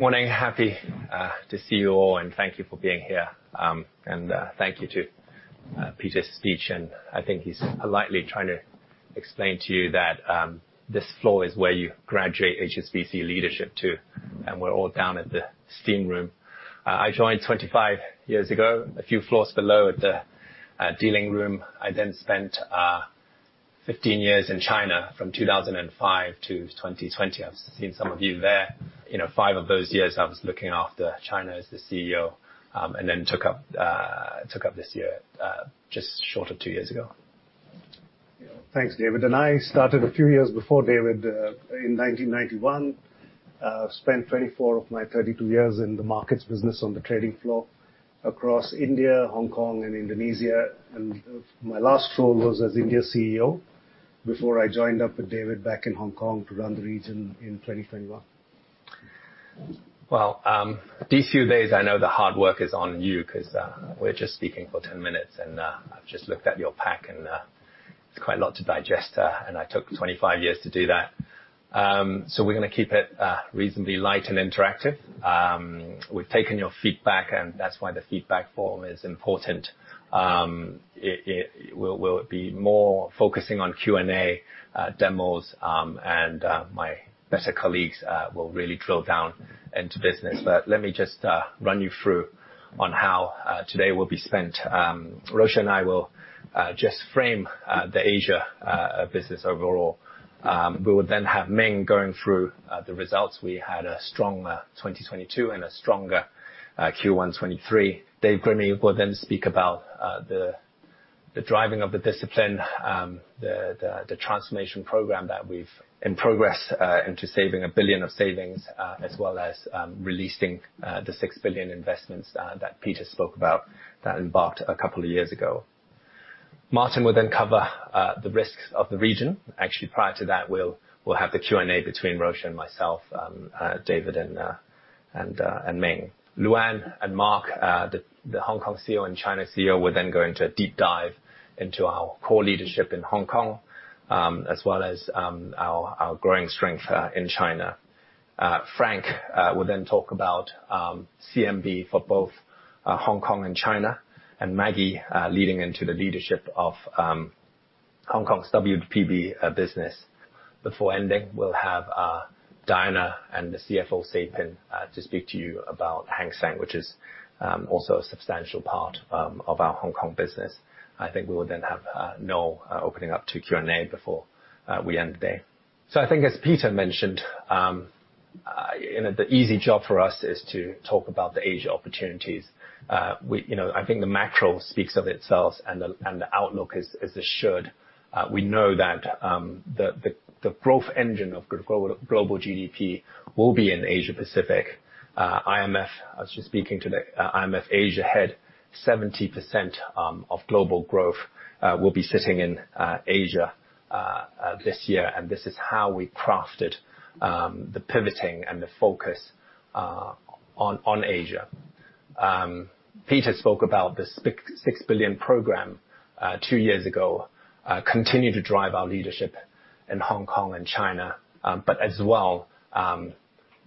Morning. Happy to see you all, and thank you for being here. Thank you to Peter's speech. I think he's politely trying to explain to you that this floor is where you graduate HSBC leadership to, and we're all down at the steam room. I joined 25 years ago, a few floors below at the dealing room. I then spent 15 years in China from 2005 to 2020. I've seen some of you there. You know, five of those years I was looking after China as the CEO, and then took up took up this year, just short of two years ago. Thanks, David. I started a few years before David, in 1991. Spent 24 of my 32 years in the markets business on the trading floor across India, Hong Kong and Indonesia. My last role was as India CEO before I joined up with David back in Hong Kong to run the region in 2021. Well, these few days I know the hard work is on you 'cause we're just speaking for 10 minutes and I've just looked at your pack and it's quite a lot to digest and I took 25 years to do that. We're gonna keep it reasonably light and interactive. We've taken your feedback and that's why the feedback form is important. We'll be more focusing on Q&A, demos, and my better colleagues will really drill down into business. Let me just run you through on how today will be spent. Roshan and I will just frame the Asia business overall. We will then have Ming going through the results. We had a strong 2022 and a stronger Q1 2023. Dave Grimsey will then speak about the driving of the discipline, the transformation program that we've in progress, into saving $1 billion of savings, as well as releasing the $6 billion investments that Peter spoke about that embarked a couple of years ago. Martin will then cover the risks of the region. Actually, prior to that, we'll have the Q&A between Roshan and myself, David and Ming. Luanne and Mark, the Hong Kong CEO and China CEO, will then go into a deep dive into our core leadership in Hong Kong, as well as our growing strength in China. Frank will then talk about CMB for both Hong Kong and China. Maggie, leading into the leadership of Hong Kong's WPB business. Before ending, we'll have Diana and the CFO, Say Pin, to speak to you about Hang Seng, which is also a substantial part of our Hong Kong business. I think we will then have Noel opening up to Q&A before we end there. I think as Peter mentioned, you know, the easy job for us is to talk about the Asia opportunities. You know, I think the macro speaks of itself and the outlook is as it should. We know that the growth engine of global GDP will be in Asia-Pacific. IMF, I was just speaking to the IMF Asia head, 70% of global growth will be sitting in Asia this year. This is how we crafted the pivoting and the focus on Asia. Peter spoke about this $6 billion program two years ago, continue to drive our leadership in Hong Kong and China. As well,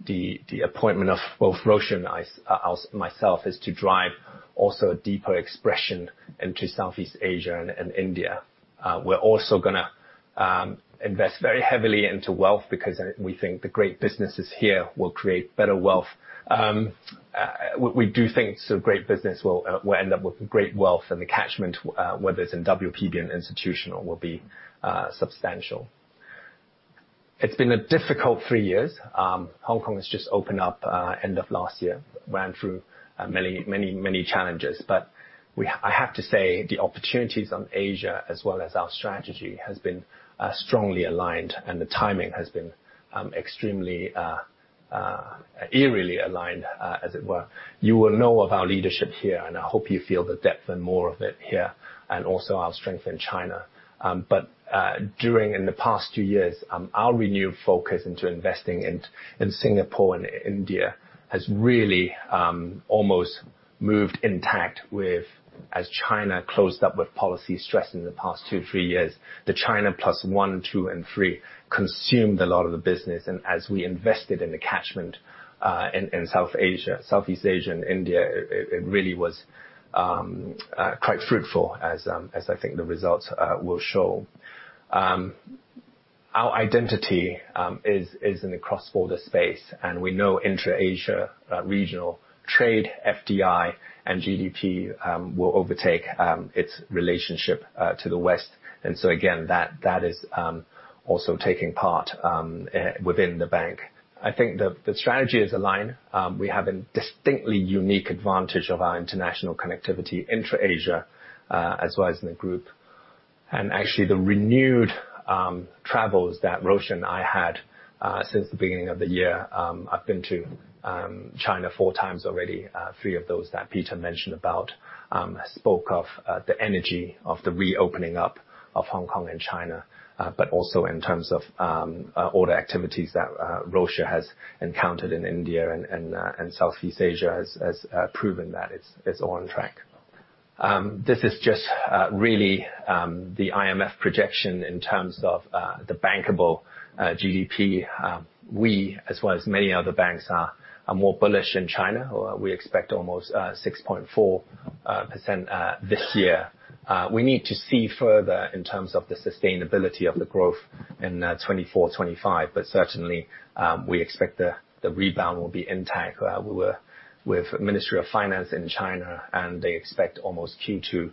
the appointment of both Roshan and I, myself is to drive also a deeper expression into Southeast Asia and India. We're also going to invest very heavily into wealth because we think the great businesses here will create better wealth. We do think so great business will end up with great wealth and the catchment, whether it's in WPB and institutional, will be substantial. It's been a difficult three years. Hong Kong has just opened up end of last year. Ran through many challenges. I have to say, the opportunities on Asia as well as our strategy has been strongly aligned and the timing has been extremely eerily aligned, as it were. You will know of our leadership here, and I hope you feel the depth and more of it here, and also our strength in China. In the past two years, our renewed focus into investing in Singapore and India has really almost moved intact with as China closed up with policy stress in the past two, three years. The China Plus One, Two and Three consumed a lot of the business. As we invested in the catchment, in South Asia, Southeast Asia and India, it really was quite fruitful as as I think the results will show. Our identity is in the cross-border space, and we know intra-Asia regional trade, FDI and GDP will overtake its relationship to the West. Again, that is also taking part within the bank. I think the strategy is aligned. We have a distinctly unique advantage of our international connectivity intra-Asia as well as in the group. Actually the renewed travels that Rosha and I had since the beginning of the year, I've been to China four times already, three of those that Peter mentioned about. Spoke of the energy of the reopening up of Hong Kong and China, but also in terms of all the activities that Roshan has encountered in India and Southeast Asia has proven that it's all on track. This is just really the IMF projection in terms of the bankable GDP. We, as well as many other banks are more bullish in China. We expect almost 6.4% this year. We need to see further in terms of the sustainability of the growth in 2024, 2025. Certainly, we expect the rebound will be intact. We were with Ministry of Finance in China. They expect almost Q2,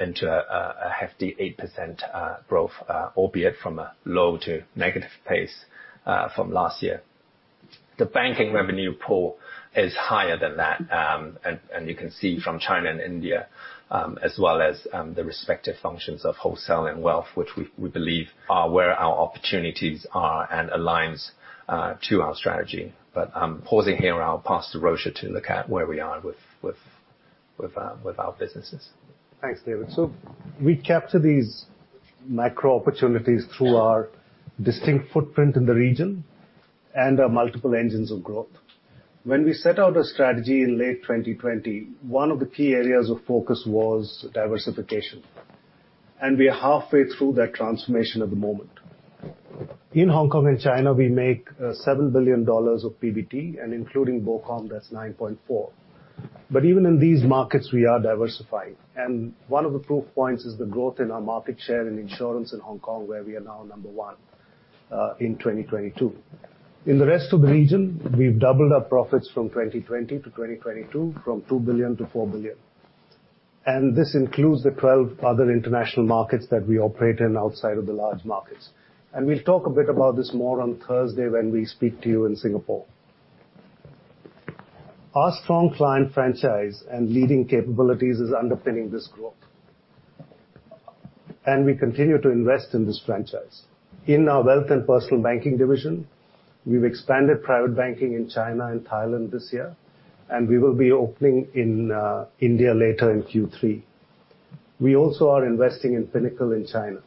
into a hefty 8% growth, albeit from a low to negative pace, from last year. The banking revenue pool is higher than that. You can see from China and India, as well as the respective functions of wholesale and wealth, which we believe are where our opportunities are and aligns to our strategy. I'm pausing here. I'll pass to Rosha to look at where we are with our businesses. Thanks, David. We capture these micro opportunities through our distinct footprint in the region and our multiple engines of growth. When we set out a strategy in late 2020, one of the key areas of focus was diversification, and we are halfway through that transformation at the moment. In Hong Kong and China, we make $7 billion of PBT, and including BoCom, that's $9.4 billion. Even in these markets, we are diversifying. One of the proof points is the growth in our market share in insurance in Hong Kong, where we are now number one in 2022. In the rest of the region, we've doubled our profits from 2020 to 2022, from $2 billion to $4 billion. This includes the 12 other international markets that we operate in outside of the large markets. We'll talk a bit about this more on Thursday when we speak to you in Singapore. Our strong client franchise and leading capabilities is underpinning this growth. We continue to invest in this franchise. In our Wealth and Personal Banking division, we've expanded private banking in China and Thailand this year, and we will be opening in India later in Q3. We also are investing in Pinnacle in China.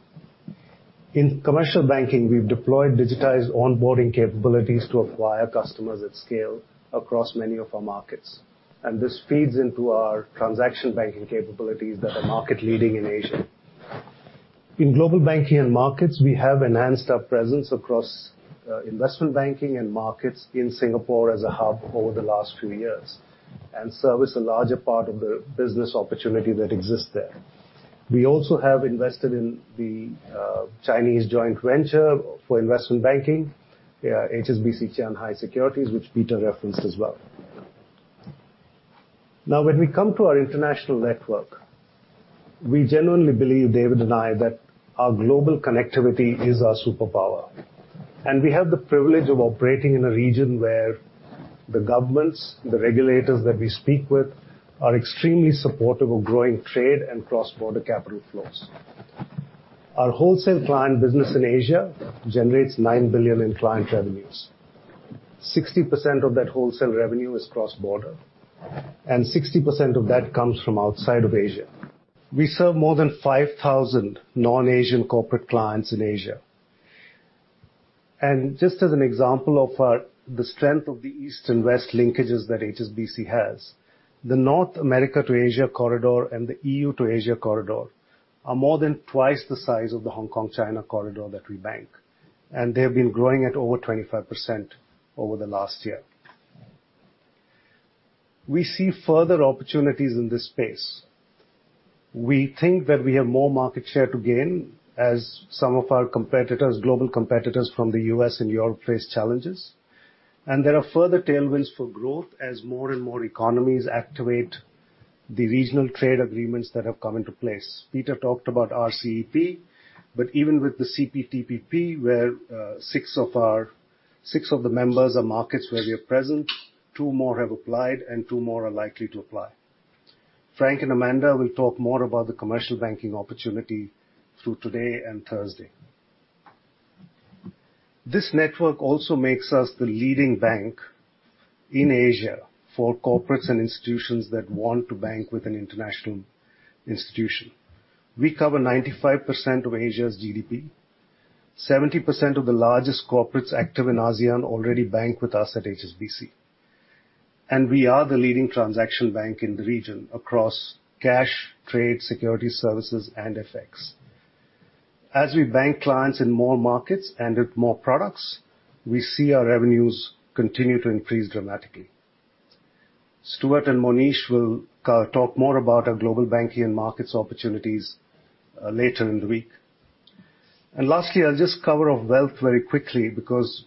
In Commercial Banking, we've deployed digitized onboarding capabilities to acquire customers at scale across many of our markets. This feeds into our transaction banking capabilities that are market-leading in Asia. In Global Banking and Markets, we have enhanced our presence across investment banking and markets in Singapore as a hub over the last few years and service a larger part of the business opportunity that exists there. We also have invested in the Chinese joint venture for investment banking, HSBC Qianhai Securities, which Peter referenced as well. When we come to our international network, we generally believe, David and I, that our global connectivity is our superpower. We have the privilege of operating in a region where the governments, the regulators that we speak with are extremely supportive of growing trade and cross-border capital flows. Our wholesale client business in Asia generates $9 billion in client revenues. Sixty percent of that wholesale revenue is cross-border, and 60% of that comes from outside of Asia. We serve more than 5,000 non-Asian corporate clients in Asia. Just as an example of our the strength of the East and West linkages that HSBC has, the North America to Asia corridor and the EU to Asia corridor are more than twice the size of the Hong Kong-China corridor that we bank, and they have been growing at over 25% over the last year. We see further opportunities in this space. We think that we have more market share to gain as some of our competitors, global competitors from the U.S. and Europe face challenges. There are further tailwinds for growth as more and more economies activate the regional trade agreements that have come into place. Peter talked about RCEP, but even with the CPTPP, where six of our six of the members are markets where we are present, two more have applied and two more are likely to apply. Frank and Amanda will talk more about the Commercial Banking opportunity through today and Thursday. This network also makes us the leading bank in Asia for corporates and institutions that want to bank with an international institution. We cover 95% of Asia's GDP. Seventy percent of the largest corporates active in ASEAN already bank with us at HSBC. We are the leading transaction bank in the region across cash, trade, security services, and FX. As we bank clients in more markets and with more products, we see our revenues continue to increase dramatically. Stuart and Monish will talk more about our global banking and markets opportunities later in the week. Lastly, I'll just cover off wealth very quickly because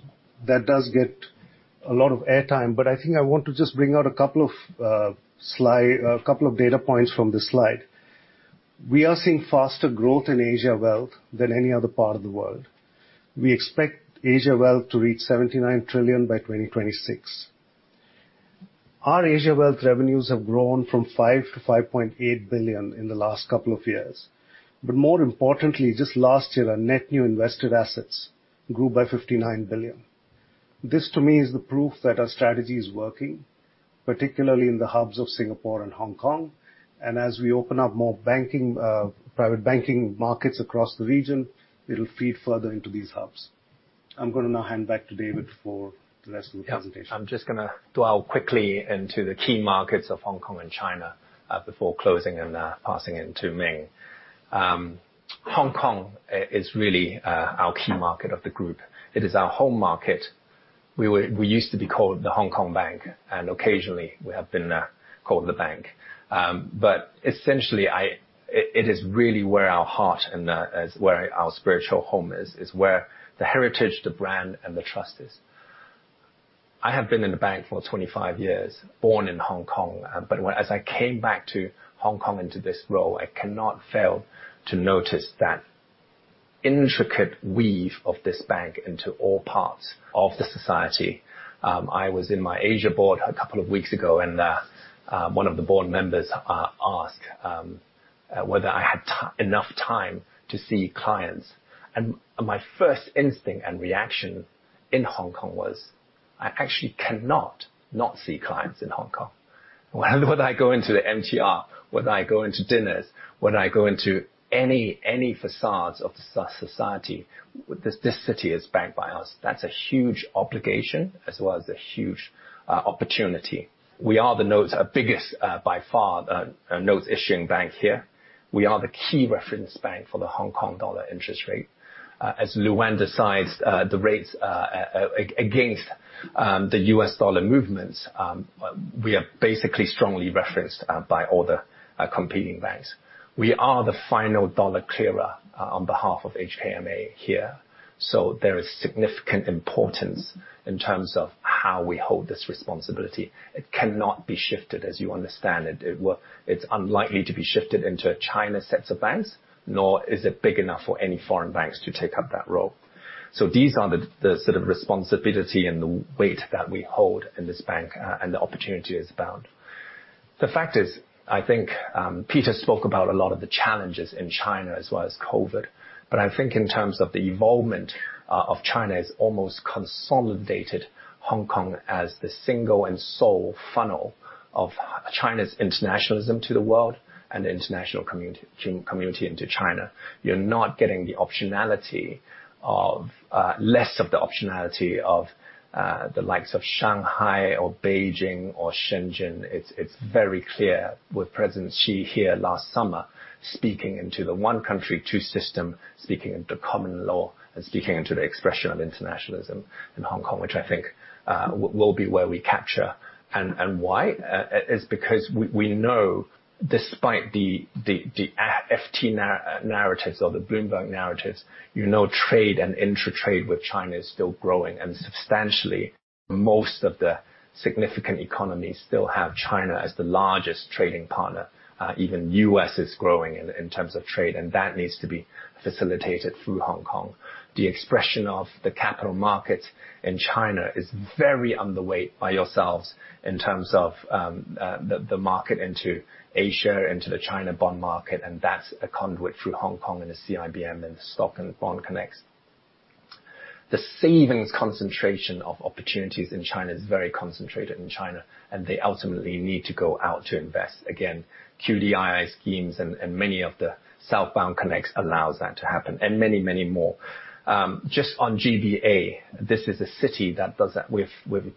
that does get a lot of airtime. I think I want to just bring out a couple of data points from this slide. We are seeing faster growth in Asia wealth than any other part of the world. We expect Asia wealth to reach $79 trillion by 2026. Our Asia wealth revenues have grown from $5 billion-$5.8 billion in the last couple of years. More importantly, just last year, our net new invested assets grew by $59 billion. This to me is the proof that our strategy is working, particularly in the hubs of Singapore and Hong Kong. As we open up more banking, private banking markets across the region, it'll feed further into these hubs. I'm gonna now hand back to David for the rest of the presentation. I'm just gonna dwell quickly into the key markets of Hong Kong and China, before closing and passing it to Ming. Hong Kong is really our key market of the group. It is our home market. We used to be called the Hong Kong Bank. Occasionally we have been called the bank. Essentially, it is really where our heart and is where our spiritual home is. It's where the heritage, the brand, and the trust is. I have been in the bank for 25 years, born in Hong Kong, but as I came back to Hong Kong into this role, I cannot fail to notice that intricate weave of this bank into all parts of the society. I was in my Asia Board a couple of weeks ago, one of the board members asked whether I had enough time to see clients. My first instinct and reaction in Hong Kong was, I actually cannot not see clients in Hong Kong. Whether I go into the MTR, whether I go into dinners, whether I go into any facades of society, this city is banked by us. That's a huge obligation as well as a huge opportunity. We are the notes biggest by far, the notes issuing bank here. We are the key reference bank for the Hong Kong dollar interest rate. As Luanne decides the rates against the U.S. dollar movements, we are basically strongly referenced by other competing banks. We are the final dollar clearer on behalf of HKMA here. There is significant importance in terms of how we hold this responsibility. It cannot be shifted as you understand it. It's unlikely to be shifted into China sets of banks, nor is it big enough for any foreign banks to take up that role. These are the sort of responsibility and the weight that we hold in this bank, and the opportunity it's bound. The fact is, I think, Peter spoke about a lot of the challenges in China as well as COVID, I think in terms of the involvement of China is almost consolidated Hong Kong as the single and sole funnel of China's internationalism to the world and the international community into China. You're not getting the optionality of, less of the optionality of, the likes of Shanghai or Beijing or Shenzhen. It's, it's very clear with President Xi here last summer speaking into the one country, two systems, speaking into common law and speaking into the expression of internationalism in Hong Kong, which I think will be where we capture. Why? is because we know despite the FT narratives or the Bloomberg narratives, you know trade and intra-trade with China is still growing. Substantially, most of the significant economies still have China as the largest trading partner. Even U.S. is growing in terms of trade, and that needs to be facilitated through Hong Kong. The expression of the capital markets in China is very underweight by yourselves in terms of the market into Asia, into the China bond market, and that's a conduit through Hong Kong and the CIBM and the stock and bond connects. The savings concentration of opportunities in China is very concentrated in China, and they ultimately need to go out to invest. Again, QDII schemes and many of the southbound connects allows that to happen. Many, many more. Just on GBA, this is a city that does that with,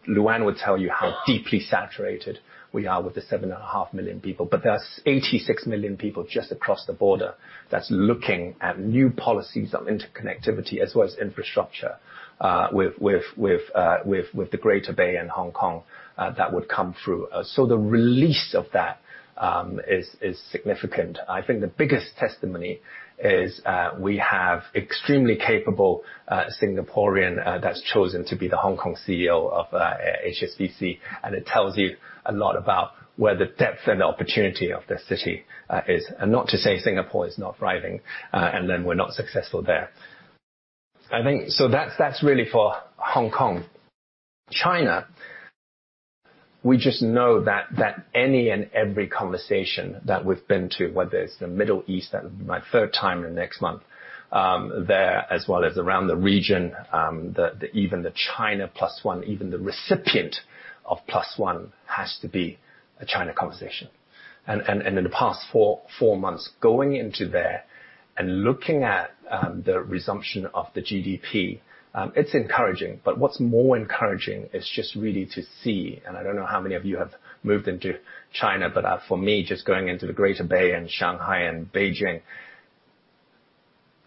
Luanne will tell you how deeply saturated we are with the 7.5 million people. There's 86 million people just across the border that's looking at new policies on interconnectivity as well as infrastructure, with the Greater Bay and Hong Kong that would come through. The release of that is significant. I think the biggest testimony is, we have extremely capable Singaporean that's chosen to be the Hong Kong CEO of HSBC, and it tells you a lot about where the depth and the opportunity of this city is. Not to say Singapore is not thriving, and then we're not successful there. That's really for Hong Kong. China, we just know that any and every conversation that we've been to, whether it's the Middle East, and my 3rd time in the next month, there, as well as around the region, the even the China Plus One, even the recipient of Plus One has to be a China conversation. In the past four months, going into there and looking at the resumption of the GDP, it's encouraging. What's more encouraging is just really to see, and I don't know how many of you have moved into China, but for me, just going into the Greater Bay and Shanghai and Beijing,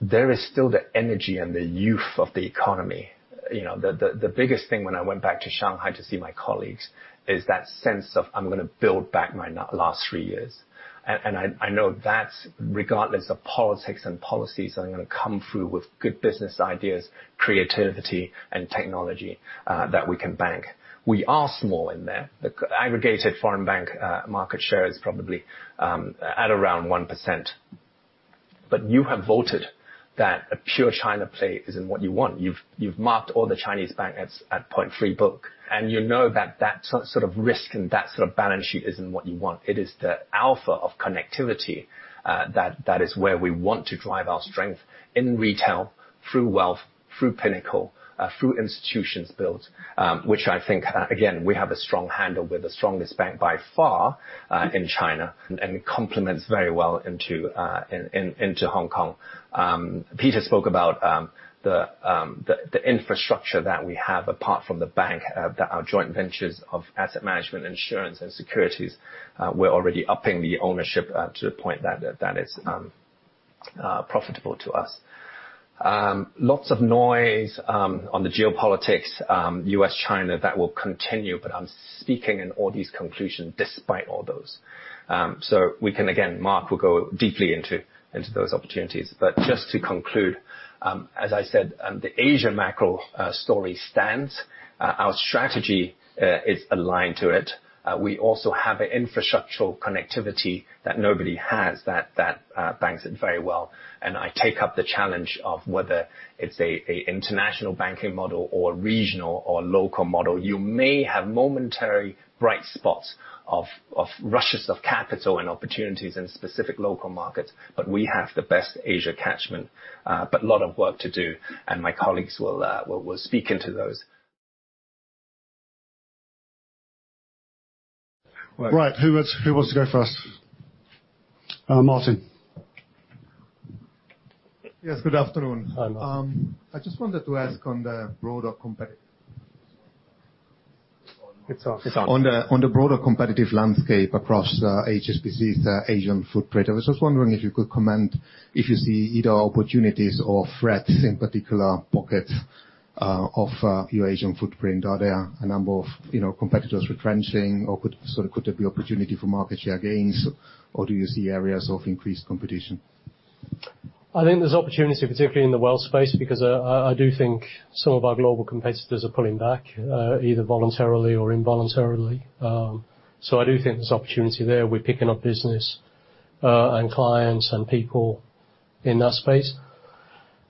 there is still the energy and the youth of the economy. You know, the biggest thing when I went back to Shanghai to see my colleagues is that sense of I'm gonna build back my last three years. I know that regardless of politics and policies, I'm gonna come through with good business ideas, creativity and technology that we can bank. We are small in there. The aggregated foreign bank market share is probably at around 1%. You have voted that a pure China play isn't what you want. You've marked all the Chinese banks at 0.3 book, and you know that sort of risk and that sort of balance sheet isn't what you want. It is the alpha of connectivity that is where we want to drive our strength in retail through wealth, through Pinnacle, through institutions built. Which I think, again, we have a strong handle. We're the strongest bank by far in China and complements very well into Hong Kong. Peter spoke about the infrastructure that we have apart from the bank. Our joint ventures of asset management, insurance and securities, we're already upping the ownership to the point that that is profitable to us. Lots of noise on the geopolitics, U.S., China, that will continue. I'm speaking in all these conclusions despite all those. We can again, Mark will go deeply into those opportunities. Just to conclude, as I said, the Asia macro story stands. Our strategy is aligned to it. We also have an infrastructural connectivity that nobody has that banks it very well. I take up the challenge of whether it's a international banking model or regional or local model. You may have momentary bright spots of rushes of capital and opportunities in specific local markets, we have the best Asia catchment, but a lot of work to do, my colleagues will speak into those. Right. Who wants to go first? Martin. Yes. Good afternoon. Hi, Martin. I just wanted to ask on the broader competitive... It's on. On the broader competitive landscape across HSBC's Asian footprint, I was just wondering if you could comment if you see either opportunities or threats in particular pockets of your Asian footprint. Are there a number of, you know, competitors retrenching or could there be opportunity for market share gains, or do you see areas of increased competition? I think there's opportunity, particularly in the wealth space, because I do think some of our global competitors are pulling back, either voluntarily or involuntarily. I do think there's opportunity there. We're picking up business, and clients and people in that space.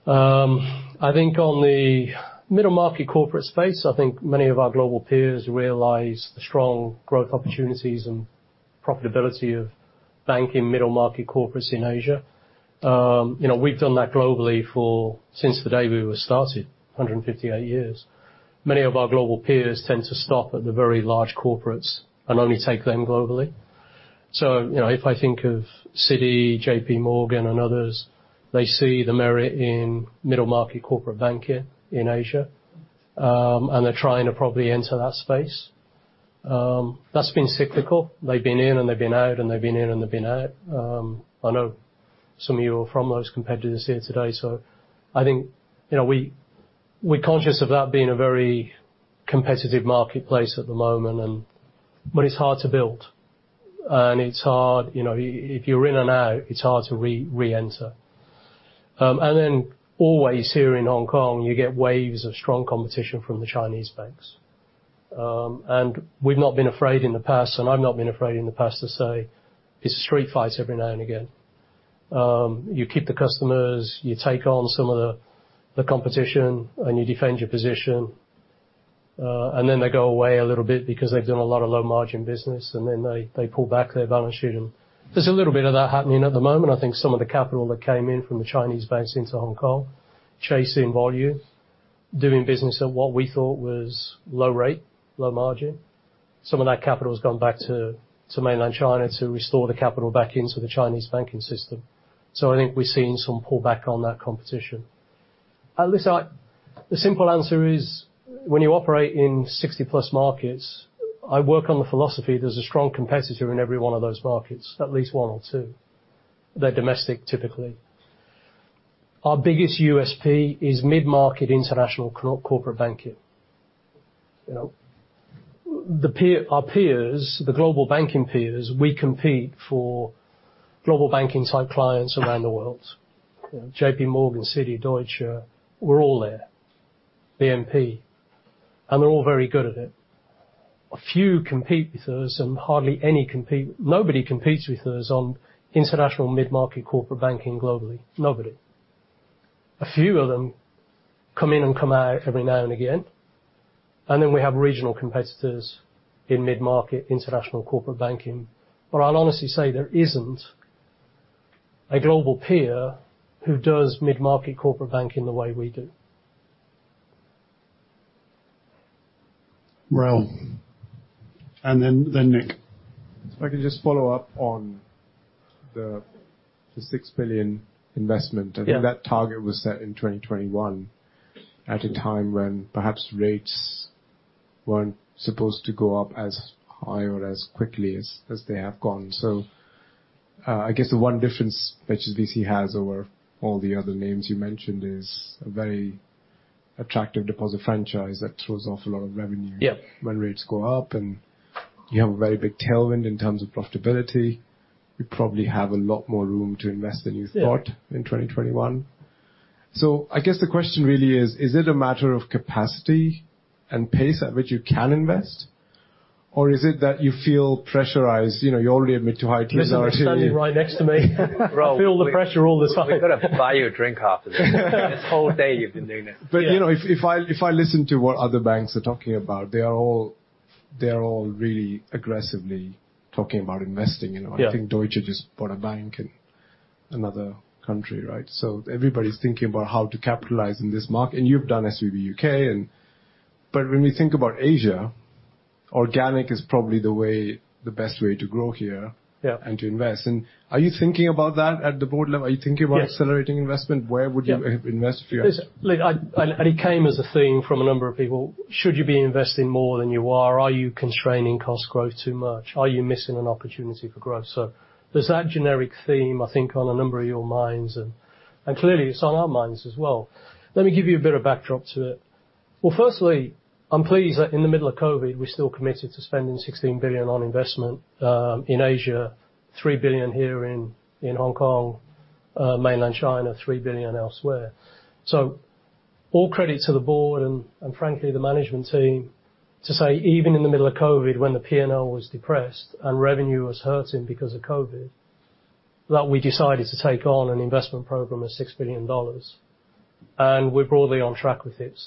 I think on the middle market corporate space, I think many of our global peers realize the strong growth opportunities and profitability of banking middle market corporates in Asia. You know, we've done that globally for since the day we were started, 158 years. Many of our global peers tend to stop at the very large corporates and only take them globally. You know, if I think of Citi, JPMorgan, and others, they see the merit in middle market corporate banking in Asia. They're trying to probably enter that space. That's been cyclical. They've been in and they've been out, and they've been in, and they've been out. I know some of you are from those competitors here today, so I think, you know, we're conscious of that being a very competitive marketplace at the moment. It's hard to build. It's hard, you know, if you're in and out, it's hard to reenter. Then always here in Hong Kong, you get waves of strong competition from the Chinese banks. We've not been afraid in the past, and I've not been afraid in the past to say it's a street fight every now and again. You keep the customers, you take on some of the competition, and you defend your position. Then they go away a little bit because they've done a lot of low margin business, and then they pull back their balance sheet. There's a little bit of that happening at the moment. I think some of the capital that came in from the Chinese banks into Hong Kong, chasing volume, doing business at what we thought was low rate, low margin. Some of that capital has gone back to Mainland China to restore the capital back into the Chinese banking system. I think we're seeing some pull back on that competition. At least the simple answer is, when you operate in 60+ markets, I work on the philosophy there's a strong competitor in every one of those markets, at least one or two. They're domestic, typically. Our biggest USP is mid-market international corporate banking. You know, our peers, the global banking peers, we compete for global banking type clients around the world. JPMorgan, Citi, Deutsche, we're all there. BNP. They're all very good at it. A few compete with us, nobody competes with us on international mid-market corporate banking globally. Nobody. A few of them come in and come out every now and again. Then we have regional competitors in mid-market international corporate banking. I'll honestly say there isn't a global peer who does mid-market corporate banking the way we do. Raul, and then Nick. If I can just follow up on the $6 billion investment. Yeah. I think that target was set in 2021 at a time when perhaps rates weren't supposed to go up as high or as quickly as they have gone. I guess the one difference HSBC has over all the other names you mentioned is a very attractive deposit franchise that throws off a lot of revenue— Yeah. When rates go up, and you have a very big tailwind in terms of profitability. You probably have a lot more room to invest than you thought. Yeah In 2021. I guess the question really is it a matter of capacity and pace at which you can invest? Or is it that you feel pressurized? You know, you already admit to high RoTE. Listen, you're standing right next to me. Raoul, I feel the pressure all the time. We've got to buy you a drink after this. This whole day you've been doing it. Yeah. You know, if I, if I listen to what other banks are talking about, they are all really aggressively talking about investing. You know. Yeah I think Deutsche just bought a bank in another country, right? Everybody's thinking about how to capitalize in this market. You've done SVB UK and when we think about Asia, organic is probably the way, the best way to grow here— Yeah. And to invest. Are you thinking about that at the board level? Are you thinking about— Yeah Accelerating investment? Where would you invest if you had— Listen, it came as a theme from a number of people, should you be investing more than you are? Are you constraining cost growth too much? Are you missing an opportunity for growth? There's that generic theme, I think, on a number of your minds and clearly it's on our minds as well. Let me give you a bit of backdrop to it. Firstly, I'm pleased that in the middle of COVID, we're still committed to spending $16 billion on investment in Asia, $3 billion here in Hong Kong, Mainland China, $3 billion elsewhere. All credit to the board and frankly, the management team to say, even in the middle of COVID, when the P&L was depressed and revenue was hurting because of COVID, that we decided to take on an investment program of $6 billion, and we're broadly on track with it.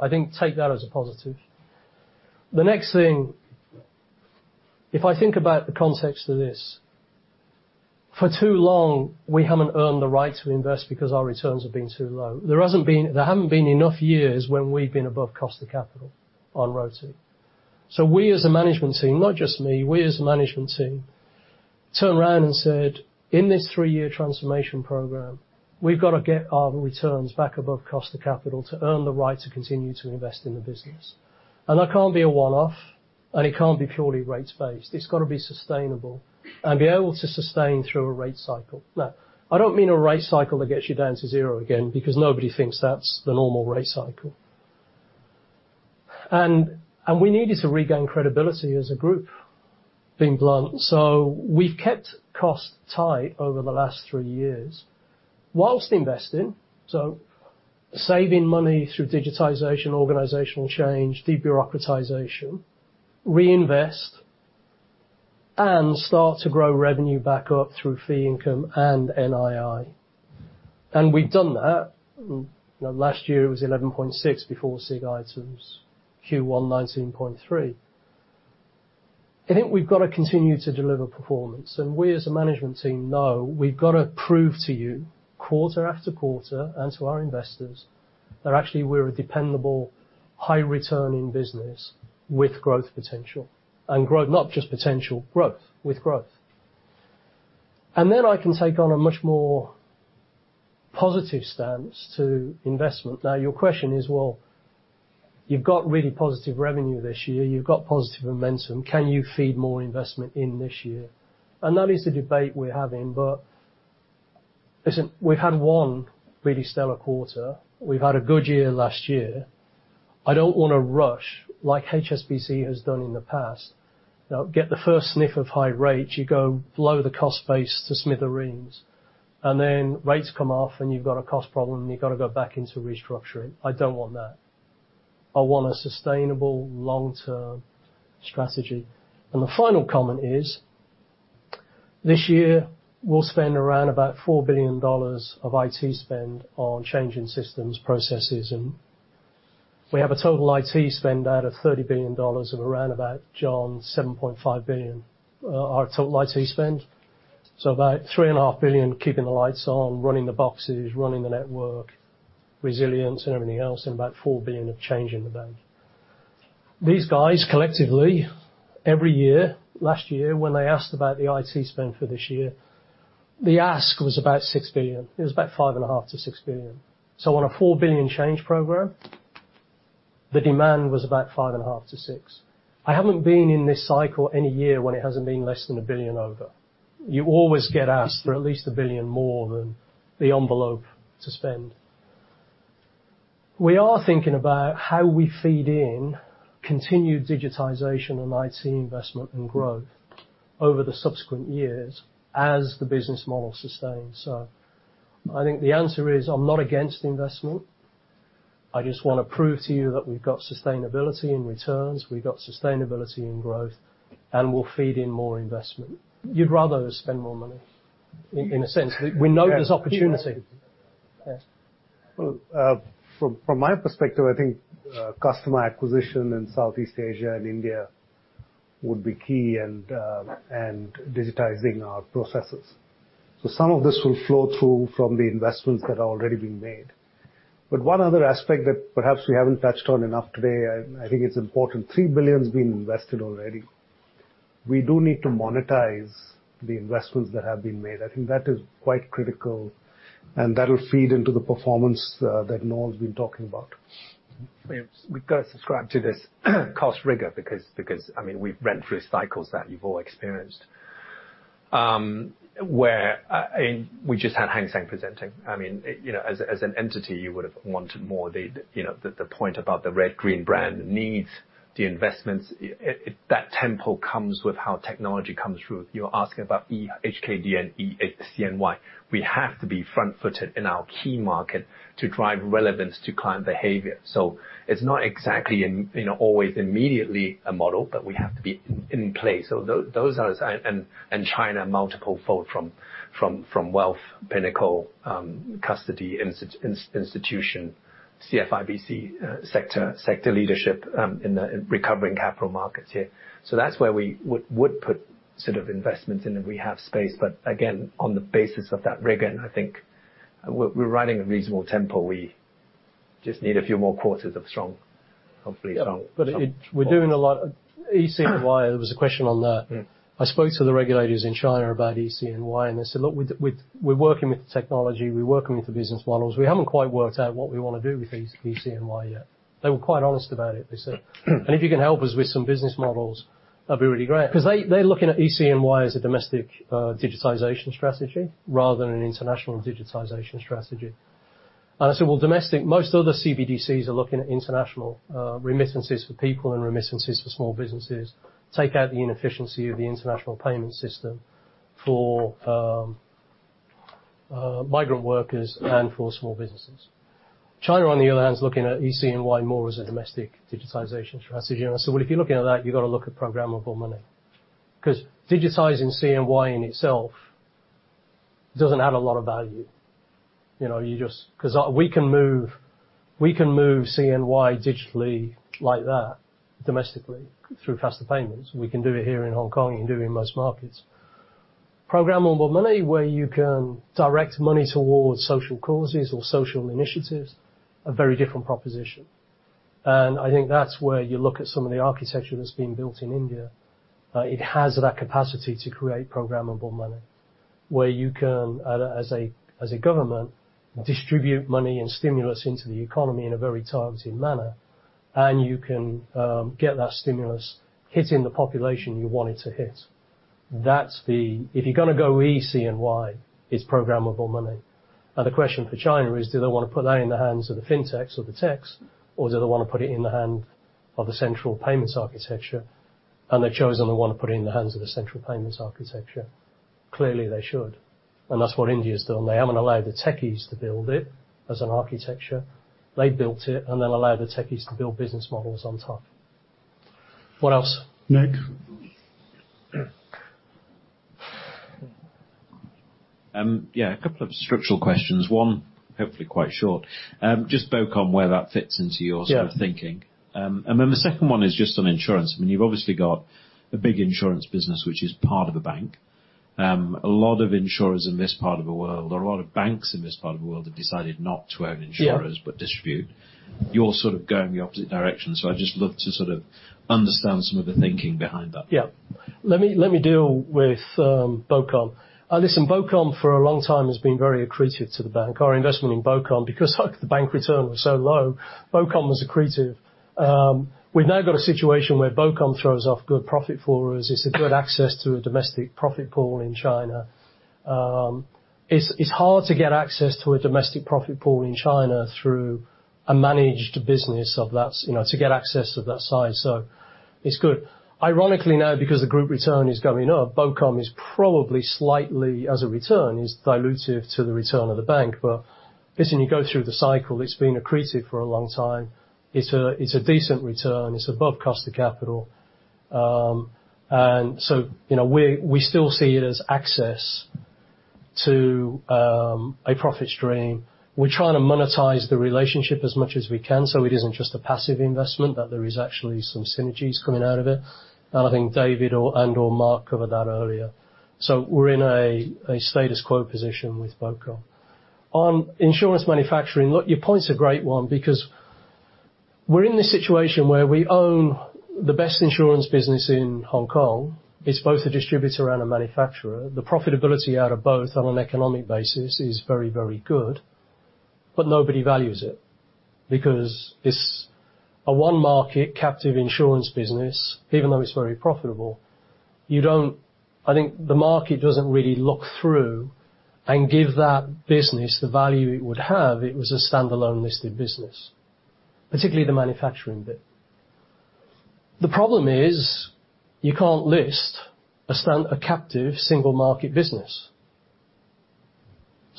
I think take that as a positive. The next thing, if I think about the context of this, for too long, we haven't earned the right to invest because our returns have been too low. There haven't been enough years when we've been above cost of capital on ROTI. We as a management team, not just me, we as a management team, turn around and said, in this three-year transformation program, we've got to get our returns back above cost of capital to earn the right to continue to invest in the business. That can't be a one-off, and it can't be purely rates-based. It's got to be sustainable and be able to sustain through a rate cycle. Now, I don't mean a rate cycle that gets you down to zero again because nobody thinks that's the normal rate cycle. We needed to regain credibility as a group, being blunt. We've kept costs tight over the last three years whilst investing, so saving money through digitization, organizational change, debureaucratization, reinvest, and start to grow revenue back up through fee income and NII. We've done that. Last year, it was $11.6 before significant items, Q1, $19.3. I think we've got to continue to deliver performance. We as a management team know we've got to prove to you quarter-to-quarter and to our investors that actually we're a dependable, high-returning business with growth potential. Growth, not just potential, growth, with growth. Then I can take on a much more positive stance to investment. Now, your question is, well, you've got really positive revenue this year, you've got positive momentum. Can you feed more investment in this year? That is the debate we're having. Listen, we've had one really stellar quarter. We've had a good year last year. I don't want to rush like HSBC has done in the past. Get the first sniff of high rates, you go blow the cost base to smithereens, and then rates come off and you've got a cost problem, and you've got to go back into restructuring. I don't want that. I want a sustainable long-term strategy. The final comment is, this year, we'll spend around about $4 billion of IT spend on changing systems, processes. We have a total IT spend out of $30 billion of around about, John, $7.5 billion, our total IT spend. About $3.5 billion, keeping the lights on, running the boxes, running the network, resilience and everything else, and about $4 billion of change in the bank. These guys, collectively, every year, last year, when they asked about the IT spend for this year, the ask was about $6 billion. It was about $5.5 billion-$6 billion. On a $4 billion change program, the demand was about $5.5 billion-$6 billion. I haven't been in this cycle any year when it hasn't been less than $1 billion over. You always get asked for at least $1 billion more than the envelope to spend. We are thinking about how we feed in continued digitization and IT investment and growth over the subsequent years as the business model sustains. I think the answer is, I'm not against investment. I just wanna prove to you that we've got sustainability in returns, we've got sustainability in growth, and we'll feed in more investment. You'd rather spend more money in a sense. We know there's opportunity. Yes. From my perspective, I think customer acquisition in Southeast Asia and India would be key and digitizing our processes. Some of this will flow through from the investments that are already being made. One other aspect that perhaps we haven't touched on enough today, I think it's important, $3 billion has been invested already. We do need to monetize the investments that have been made. I think that is quite critical, and that'll feed into the performance that Noel's been talking about. We've got to subscribe to this cost rigor because, I mean, we've ran through cycles that you've all experienced, where we just had Hang Seng presenting. I mean, you know, as an entity, you would have wanted more. You know, the point about the red/green brand needs the investments. If that tempo comes with how technology comes through. You're asking about HKD and e-CNY. We have to be front-footed in our key market to drive relevance to client behavior. So it's not exactly in, you know, always immediately a model, but we have to be in place. So those are. China multiple fold from wealth, Pinnacle, custody, institution, CFIBC, sector leadership in the recovering capital markets here. So that's where we would put sort of investments in if we have space. Again, on the basis of that rigor, and I think we're running a reasonable tempo. We just need a few more quarters of hopefully strong. We're doing a lot, e-CNY, there was a question on that. I spoke to the regulators in China about e-CNY, they said, "Look, we're working with the technology, we're working with the business models. We haven't quite worked out what we wanna do with e-CNY yet." They were quite honest about it. They said, "If you can help us with some business models. That'd be really great. They're looking at e-CNY as a domestic digitization strategy rather than an international digitization strategy. I said, "Well, domestic, most of the CBDCs are looking at international remittances for people and remittances for small businesses. Take out the inefficiency of the international payment system for migrant workers and for small businesses." China, on the other hand, is looking at e-CNY more as a domestic digitization strategy. I said, "Well, if you're looking at that, you've got to look at programmable money." 'Cause digitizing CNY in itself doesn't add a lot of value, you know. 'Cause we can move CNY digitally like that domestically through faster payments. We can do it here in Hong Kong. You can do it in most markets. Programmable money where you can direct money towards social causes or social initiatives, a very different proposition. I think that's where you look at some of the architecture that's being built in India. It has that capacity to create programmable money where you can, as a government, distribute money and stimulus into the economy in a very targeted manner, and you can get that stimulus hitting the population you want it to hit. If you're gonna go e-CNY, it's programmable money. Now, the question for China is, do they wanna put that in the hands of the FinTechs or the techs, or do they wanna put it in the hand of the central payments architecture? They've chosen they wanna put it in the hands of the central payments architecture. Clearly, they should. That's what India's done. They haven't allowed the techies to build it as an architecture. They built it and then allowed the techies to build business models on top. What else? Nick? Yeah, a couple of structural questions. One, hopefully quite short. Just spoke on where that fits into— Yeah. Sort of thinking. Then the second one is just on insurance. I mean, you've obviously got a big insurance business, which is part of a bank. A lot of insurers in this part of the world or a lot of banks in this part of the world have decided not to own insurers. Yeah. Distribute. You're sort of going the opposite direction. I'd just love to sort of understand some of the thinking behind that. Let me, let me deal with BoCom. Listen, BoCom for a long time has been very accretive to the bank. Our investment in BoCom, because the bank return was so low, BoCom was accretive. We've now got a situation where BoCom throws off good profit for us. It's a good access to a domestic profit pool in China. It's, it's hard to get access to a domestic profit pool in China through a managed business, you know, to get access of that size. It's good. Ironically, now, because the group return is going up, BoCom is probably slightly, as a return, is dilutive to the return of the bank. Listen, you go through the cycle, it's been accretive for a long time. It's a, it's a decent return. It's above cost of capital. You know, we still see it as access to a profit stream. We're trying to monetize the relationship as much as we can, so it isn't just a passive investment, that there is actually some synergies coming out of it. I think David and/or Mark covered that earlier. We're in a status quo position with BoCom. On insurance manufacturing, look, your point's a great one because we're in this situation where we own the best insurance business in Hong Kong. It's both a distributor and a manufacturer. The profitability out of both on an economic basis is very, very good, but nobody values it because it's a one market captive insurance business. Even though it's very profitable, you don't— I think the market doesn't really look through and give that business the value it would have if it was a standalone listed business, particularly the manufacturing bit. The problem is, you can't list a captive single market business.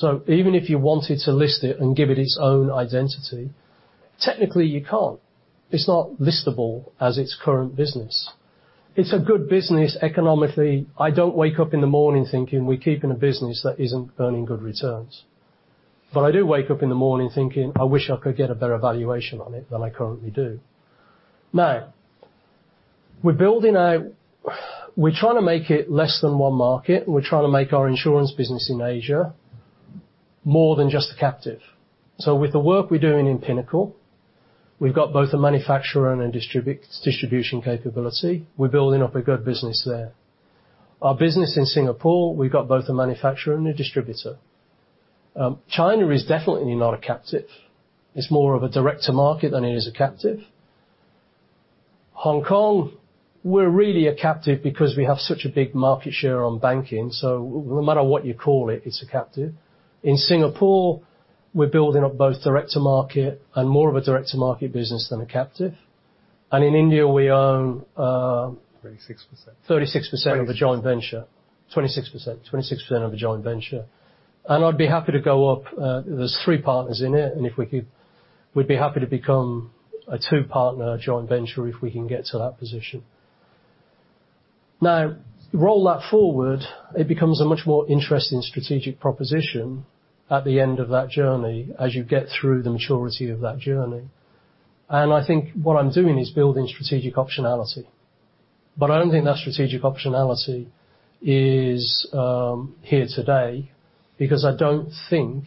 Even if you wanted to list it and give it its own identity, technically you can't. It's not listable as its current business. It's a good business economically. I don't wake up in the morning thinking we're keeping a business that isn't earning good returns. I do wake up in the morning thinking, I wish I could get a better valuation on it than I currently do. We're trying to make it less than one market. We're trying to make our insurance business in Asia more than just a captive. With the work we're doing in Pinnacle, we've got both a manufacturer and a distribution capability. We're building up a good business there. Our business in Singapore, we've got both a manufacturer and a distributor. China is definitely not a captive. It's more of a director market than it is a captive. Hong Kong, we're really a captive because we have such a big market share on banking. No matter what you call it's a captive. In Singapore, we're building up both director market and more of a director market business than a captive. In India, we own 36% of a joint venture—26%, 26% of a joint venture. I'd be happy to go up, there's three partners in it, and if we could, we'd be happy to become a two-partner joint venture if we can get to that position. Roll that forward, it becomes a much more interesting strategic proposition at the end of that journey as you get through the maturity of that journey. I think what I'm doing is building strategic optionality. I don't think that strategic optionality is here today because I don't think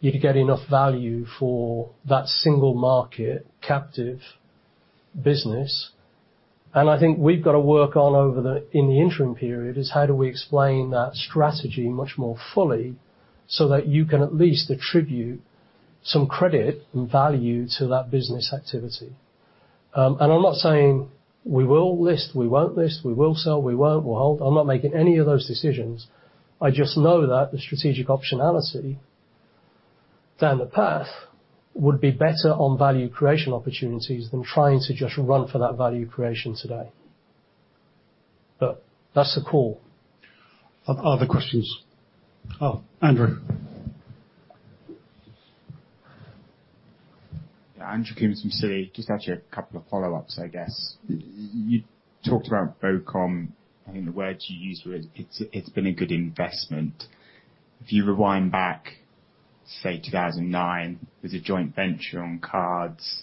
you'd get enough value for that single market captive business. I think we've got to work on in the interim period, is how do we explain that strategy much more fully so that you can at least attribute some credit and value to that business activity. I'm not saying we will list, we won't list, we will sell, we won't, we'll hold. I'm not making any of those decisions. I just know that the strategic optionality down the path would be better on value creation opportunities than trying to just run for that value creation today. That's the call. Other questions? Oh, Andrew. Yeah, Andrew Kim from Citi. Just actually a couple of follow-ups, I guess. You talked about BoCom, I think the words you used were it's been a good investment. If you rewind back, say, 2009, there's a joint venture on cards.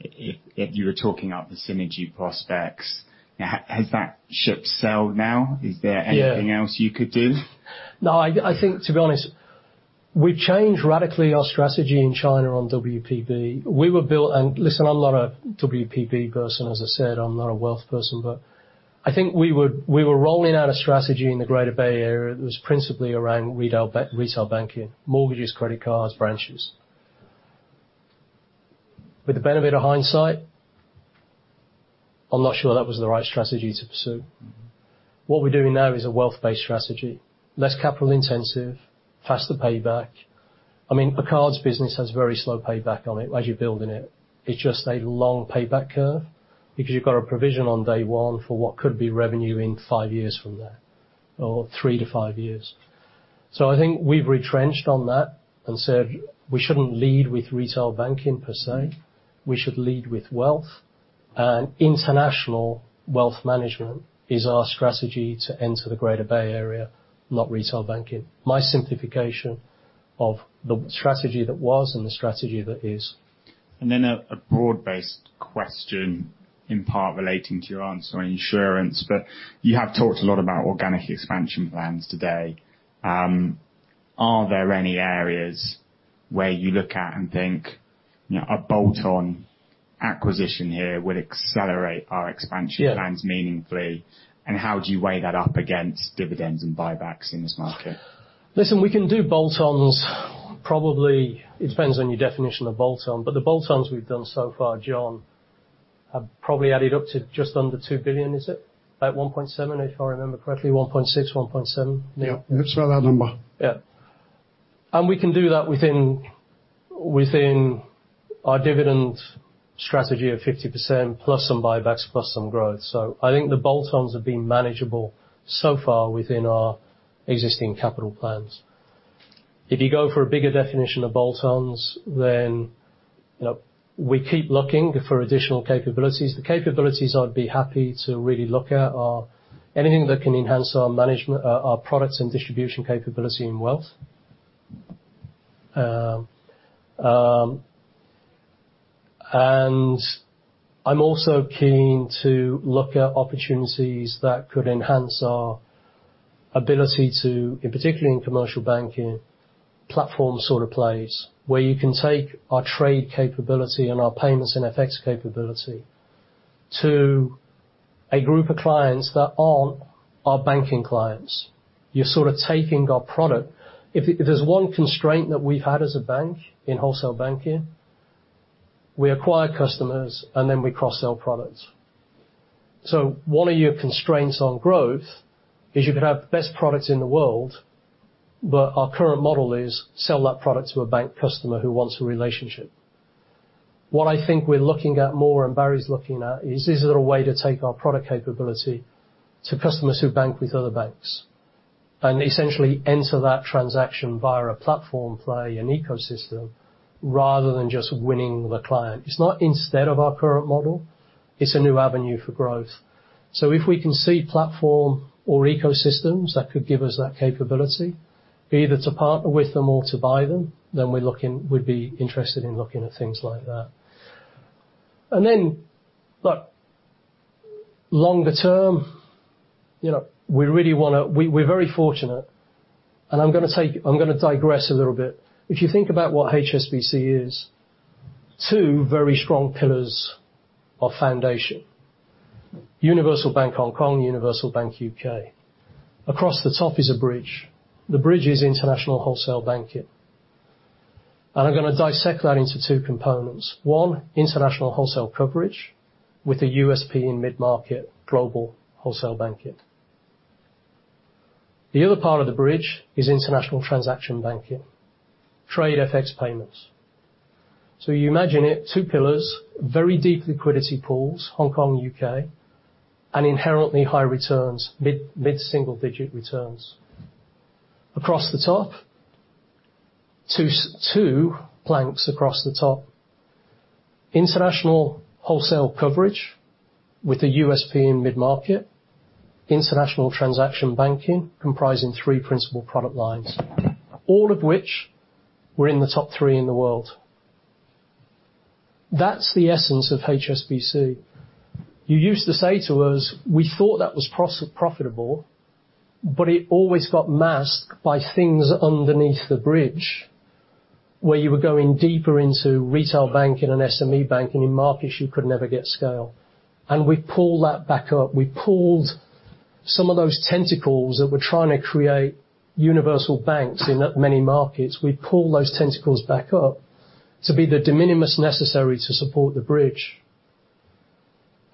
If you were talking up the synergy prospects, has that ship sailed now? Yeah. Is there anything else you could do? No, I think to be honest, we've changed radically our strategy in China on WPB. Listen, I'm not a WPB person, as I said, I'm not a wealth person. I think we were rolling out a strategy in the Greater Bay Area that was principally around retail banking, mortgages, credit cards, branches. With the benefit of hindsight, I'm not sure that was the right strategy to pursue. What we're doing now is a wealth-based strategy. Less capital intensive, faster payback. I mean, a cards business has very slow payback on it as you're building it. It's just a long payback curve because you've got a provision on day one for what could be revenue in five years from there, or three to five years. I think we've retrenched on that and said we shouldn't lead with retail banking per se, we should lead with wealth. International wealth management is our strategy to enter the Greater Bay Area, not retail banking. My simplification of the strategy that was and the strategy that is. A broad-based question in part relating to your answer on insurance, but you have talked a lot about organic expansion plans today. Are there any areas where you look at and think, you know, a bolt-on acquisition here would accelerate our expansion plans? Yeah. Meaningfully, and how do you weigh that up against dividends and buybacks in this market? Listen, we can do bolt-ons probably. It depends on your definition of bolt-on, but the bolt-ons we've done so far, John, have probably added up to just under $2 billion, is it? About $1.7 billion, if I remember correctly. $1.6 billion, $1.7 billion. Yeah. It's about that number. We can do that within our dividend strategy of 50% plus some buybacks, plus some growth. I think the bolt-ons have been manageable so far within our existing capital plans. If you go for a bigger definition of bolt-ons, you know, we keep looking for additional capabilities. The capabilities I'd be happy to really look at are anything that can enhance our management, our products and distribution capability in wealth. I'm also keen to look at opportunities that could enhance our ability to, in particular in Commercial Banking, platform sort of plays, where you can take our trade capability and our payments and FX capability to a group of clients that aren't our banking clients. You're sort of taking our product. If there's one constraint that we've had as a bank in wholesale banking, we acquire customers and then we cross-sell products. One of your constraints on growth is you could have the best products in the world, but our current model is sell that product to a bank customer who wants a relationship. What I think we're looking at more and Barry's looking at, is there a way to take our product capability to customers who bank with other banks, and essentially enter that transaction via a platform play and ecosystem rather than just winning the client. It's not instead of our current model, it's a new avenue for growth. If we can see platform or ecosystems that could give us that capability, be either to partner with them or to buy them, then we'd be interested in looking at things like that. Look, longer term, you know, we really wanna. We're very fortunate, and I'm gonna digress a little bit. If you think about what HSBC is, two very strong pillars of foundation. Universal bank Hong Kong, universal bank U.K. Across the top is a bridge. The bridge is international wholesale banking. I'm gonna dissect that into two components. One, international wholesale coverage with a USP in mid-market global wholesale banking. The other part of the bridge is international transaction banking, trade FX payments. You imagine it, two pillars, very deep liquidity pools, Hong Kong, U.K., and inherently high returns, mid-single-digit returns. Across the top, two planks across the top. International wholesale coverage with a USP in mid-market, international transaction banking comprising three principal product lines, all of which we're in the top three in the world. That's the essence of HSBC. You used to say to us, we thought that was profitable, but it always got masked by things underneath the bridge, where you were going deeper into retail banking and SME banking in markets you could never get scale. We pulled that back up. We pulled some of those tentacles that we're trying to create universal banks in that many markets, we pull those tentacles back up to be the de minimis necessary to support the bridge.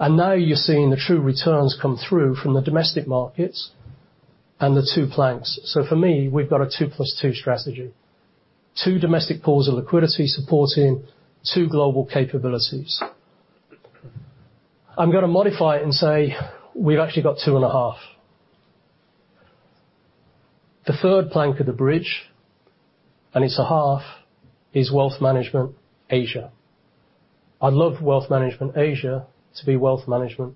Now you're seeing the true returns come through from the domestic markets and the two planks. For me, we've got a two plus two strategy. Two domestic pools of liquidity supporting two global capabilities. I'm going to modify it and say, we've actually got two and a half. The third plank of the bridge, and it's a half, is wealth management Asia. I'd love wealth management Asia to be wealth management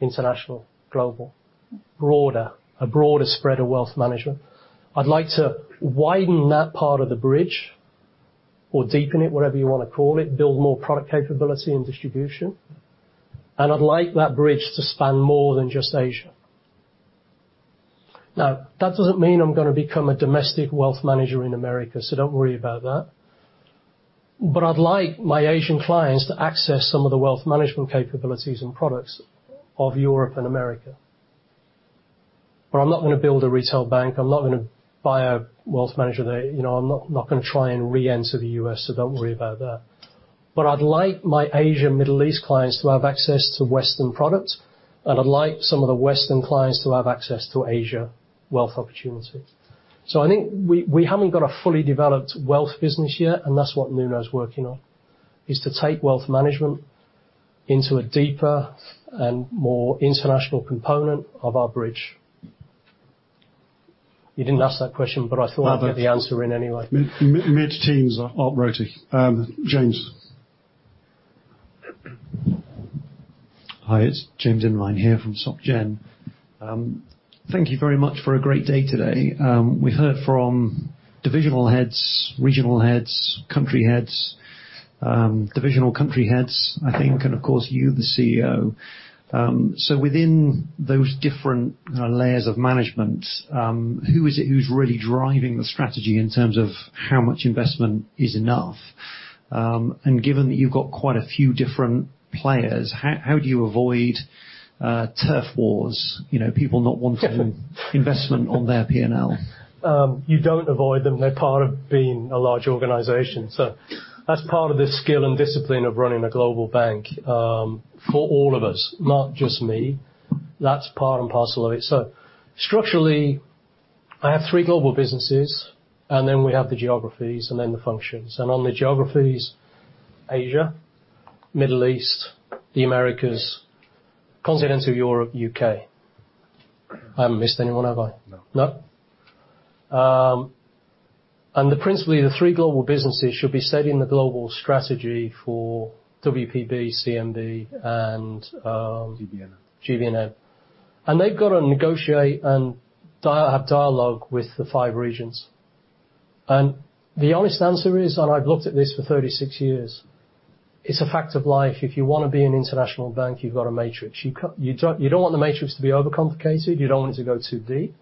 international, global, broader. A broader spread of wealth management. I'd like to widen that part of the bridge or deepen it, whatever you wanna call it, build more product capability and distribution. I'd like that bridge to span more than just Asia. That doesn't mean I'm gonna become a domestic wealth manager in America, so don't worry about that. I'd like my Asian clients to access some of the wealth management capabilities and products of Europe and America. I'm not gonna build a retail bank, I'm not gonna buy a wealth manager there, you know, I'm not gonna try and re-enter the U.S., so don't worry about that. I'd like my Asia, Middle East clients to have access to Western products, and I'd like some of the Western clients to have access to Asia wealth opportunities. I think we haven't got a fully developed wealth business yet, and that's what Nuno's working on, is to take wealth management into a deeper and more international component of our bridge. You didn't ask that question, but I thought I'd get the answer in any way. Mid, mid-teens RoTE. James. Hi, it's James Invine here from Société Générale. Thank you very much for a great day today. We heard from divisional heads, regional heads, country heads, divisional country heads, I think, and of course, you, the CEO. Within those different layers of management, who is it who's really driving the strategy in terms of how much investment is enough? Given that you've got quite a few different players, how do you avoid turf wars? You know, people not wanting investment on their P&L? You don't avoid them, they're part of being a large organization. That's part of the skill and discipline of running a global bank for all of us, not just me. That's part and parcel of it. Structurally, I have three global businesses, and then we have the geographies, and then the functions. On the geographies, Asia, Middle East, the Americas, Continental Europe, U.K. I haven't missed anyone, have I? No. No. Principally, the three global businesses should be setting the global strategy for WPB, CMB, GBNM. They've got to negotiate and have dialogue with the five regions. The honest answer is, I've looked at this for 36 years, it's a fact of life. If you wanna be an international bank, you've got a matrix. You don't want the matrix to be overcomplicated, you don't want it to go too deep.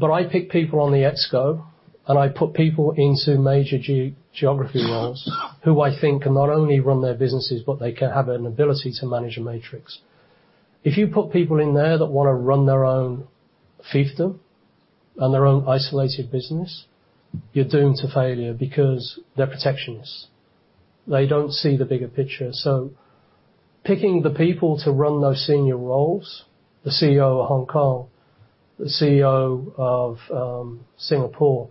I pick people on the ExCo, and I put people into major geography roles who I think can not only run their businesses, but they can have an ability to manage a matrix. If you put people in there that wanna run their own fiefdom and their own isolated business, you're doomed to failure because they're protectionists. They don't see the bigger picture. Picking the people to run those senior roles, the CEO of Hong Kong, the CEO of Singapore,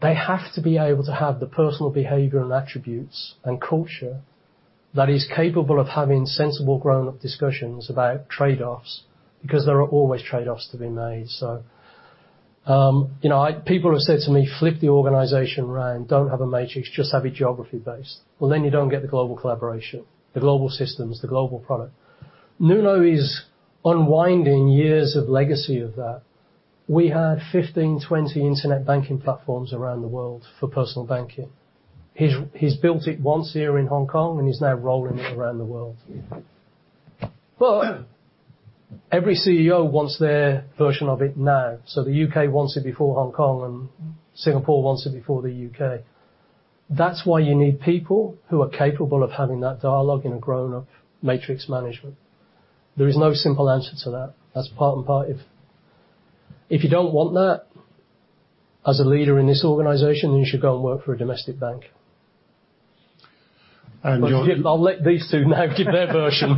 they have to be able to have the personal behavior and attributes and culture that is capable of having sensible grownup discussions about trade-offs, because there are always trade-offs to be made. You know, people have said to me, "Flip the organization around. Don't have a matrix, just have it geography-based." Then you don't get the global collaboration, the global systems, the global product. Nuno is unwinding years of legacy of that. We had 15, 20 internet banking platforms around the world for personal banking. He's built it once here in Hong Kong, and he's now rolling it around the world. Every CEO wants their version of it now. The U.K. wants it before Hong Kong, and Singapore wants it before the U.K. That's why you need people who are capable of having that dialogue in a grownup matrix management. There is no simple answer to that. That's part and part. If you don't want that as a leader in this organization, then you should go and work for a domestic bank. And your— I'll let these two now give their version.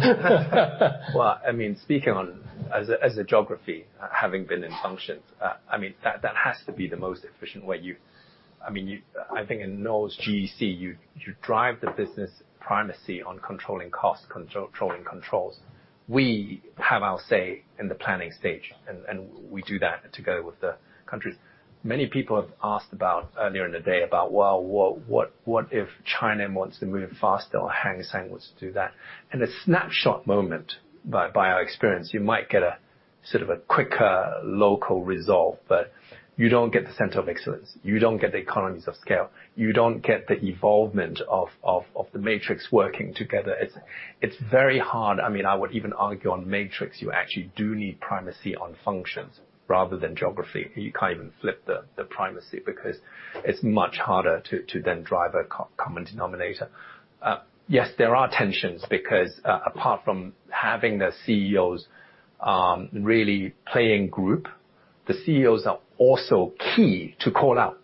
Well, I mean, speaking on as a, as a geography, having been in functions, I mean, that has to be the most efficient way. I think in Noel's GEC, you drive the business primacy on controlling costs, controlling controls. We have our say in the planning stage, and we do that to go with the countries. Many people have asked about, earlier in the day about, "Well, what if China wants to move faster or Hang Seng wants to do that?" In a snapshot moment, by our experience, you might get a sort of a quicker local result, but you don't get the center of excellence, you don't get the economies of scale, you don't get the evolvement of the matrix working together. It's very hard. I mean, I would even argue on matrix, you actually do need primacy on functions rather than geography. You can't even flip the primacy because it's much harder to then drive a co-common denominator. Yes, there are tensions because, apart from having the CEOs, the CEOs are also key to call out.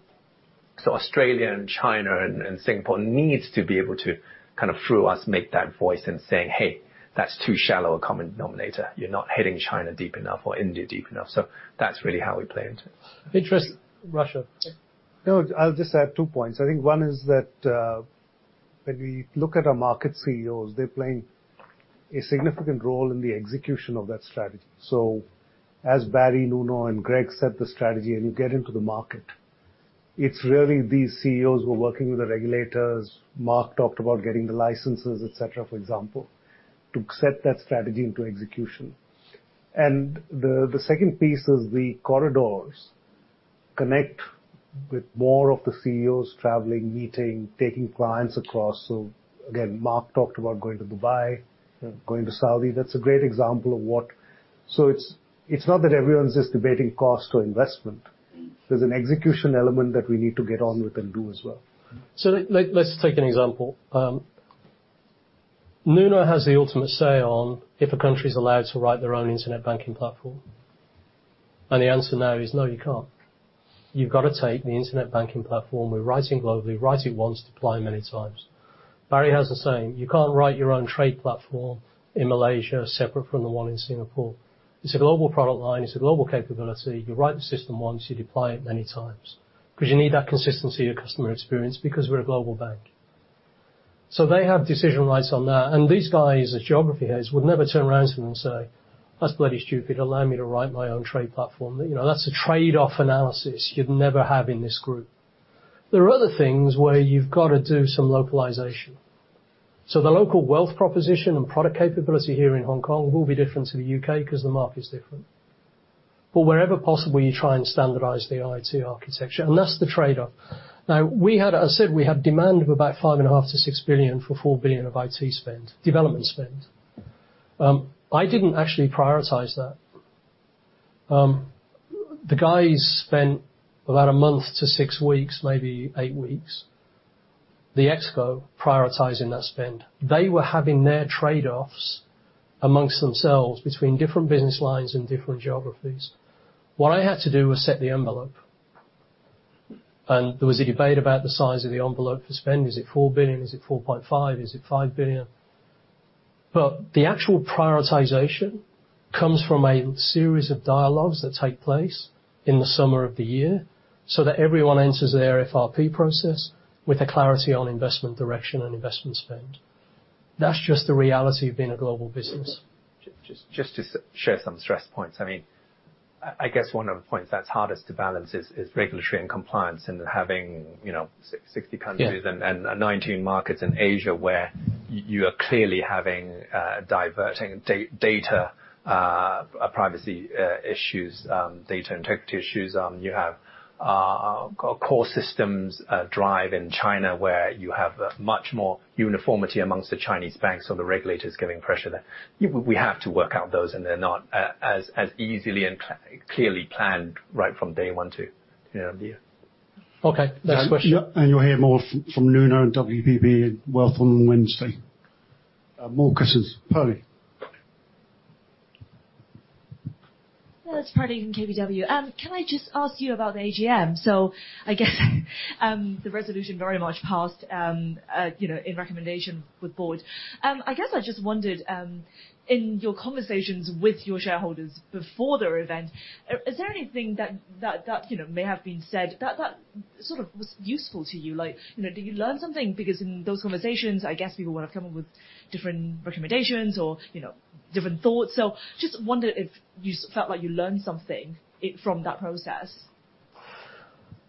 Australia and China and Singapore needs to be able to kind of through us make that voice and saying, "Hey, that's too shallow a common denominator. You're not hitting China deep enough or India deep enough." That's really how we play into it. Interest, Russia. No, I'll just add two points. I think one is that, when we look at our market CEOs, they're playing a significant role in the execution of that strategy. As Barry, Nuno, and Greg set the strategy and you get into the market, it's really these CEOs who are working with the regulators, Mark talked about getting the licenses, et cetera, for example, to set that strategy into execution. The second piece is the corridors connect with more of the CEOs traveling, meeting, taking clients across. Again, Mark talked about going to Dubai, going to Saudi. That's a great example of what. It's not that everyone's just debating cost or investment. There's an execution element that we need to get on with and do as well. Let's take an example. Nuno has the ultimate say on if a country is allowed to write their own internet banking platform. The answer now is, "No, you can't." You've got to take the internet banking platform we're writing globally, write it once, deploy many times. Barry has a saying, "You can't write your own trade platform in Malaysia separate from the one in Singapore. It's a global product line. It's a global capability. You write the system once, you deploy it many times, 'cause you need that consistency of customer experience because we're a global bank." They have decision rights on that. These guys, the geography heads, would never turn around to me and say, "That's bloody stupid. Allow me to write my own trade platform." You know, that's a trade-off analysis you'd never have in this group. There are other things where you've got to do some localization. The local wealth proposition and product capability here in Hong Kong will be different to the U.K. 'cause the market is different. Wherever possible, you try and standardize the IT architecture, and that's the trade-off. As I said, we had demand of about $5.5 billion-$6 billion for $4 billion of IT spend, development spend. I didn't actually prioritize that. The guys spent about a month to six weeks, maybe eight weeks, the ExCo prioritizing that spend. They were having their trade-offs amongst themselves between different business lines and different geographies. What I had to do was set the envelope, and there was a debate about the size of the envelope to spend. Is it $4 billion? Is it $4.5 billion? Is it $5 billion? The actual prioritization comes from a series of dialogues that take place in the summer of the year, so that everyone enters their FRP process with a clarity on investment direction and investment spend. That's just the reality of being a global business. Just to share some stress points. I mean, I guess one of the points that's hardest to balance is regulatory and compliance and having, you know, 60 countries— Yeah. And 19 markets in Asia where you are clearly having diverting data, privacy issues, data integrity issues. You have core systems drive in China, where you have a much more uniformity amongst the Chinese banks or the regulators giving pressure there. We have to work out those, and they're not as easily and clearly planned right from day one too. You know. Okay. Next question. You'll hear more from Nuno on WPB and wealth on Wednesday. More questions. Perlie. It's Perlie from KBW. Can I just ask you about the AGM? I guess the resolution very much passed, you know, in recommendation with board. I guess I just wondered, in your conversations with your shareholders before their event, is there anything that, you know, may have been said that sort of was useful to you? Like, you know, did you learn something? Because in those conversations, I guess people would have come up with different recommendations or, you know, different thoughts. Just wondered if you felt like you learned something from that process.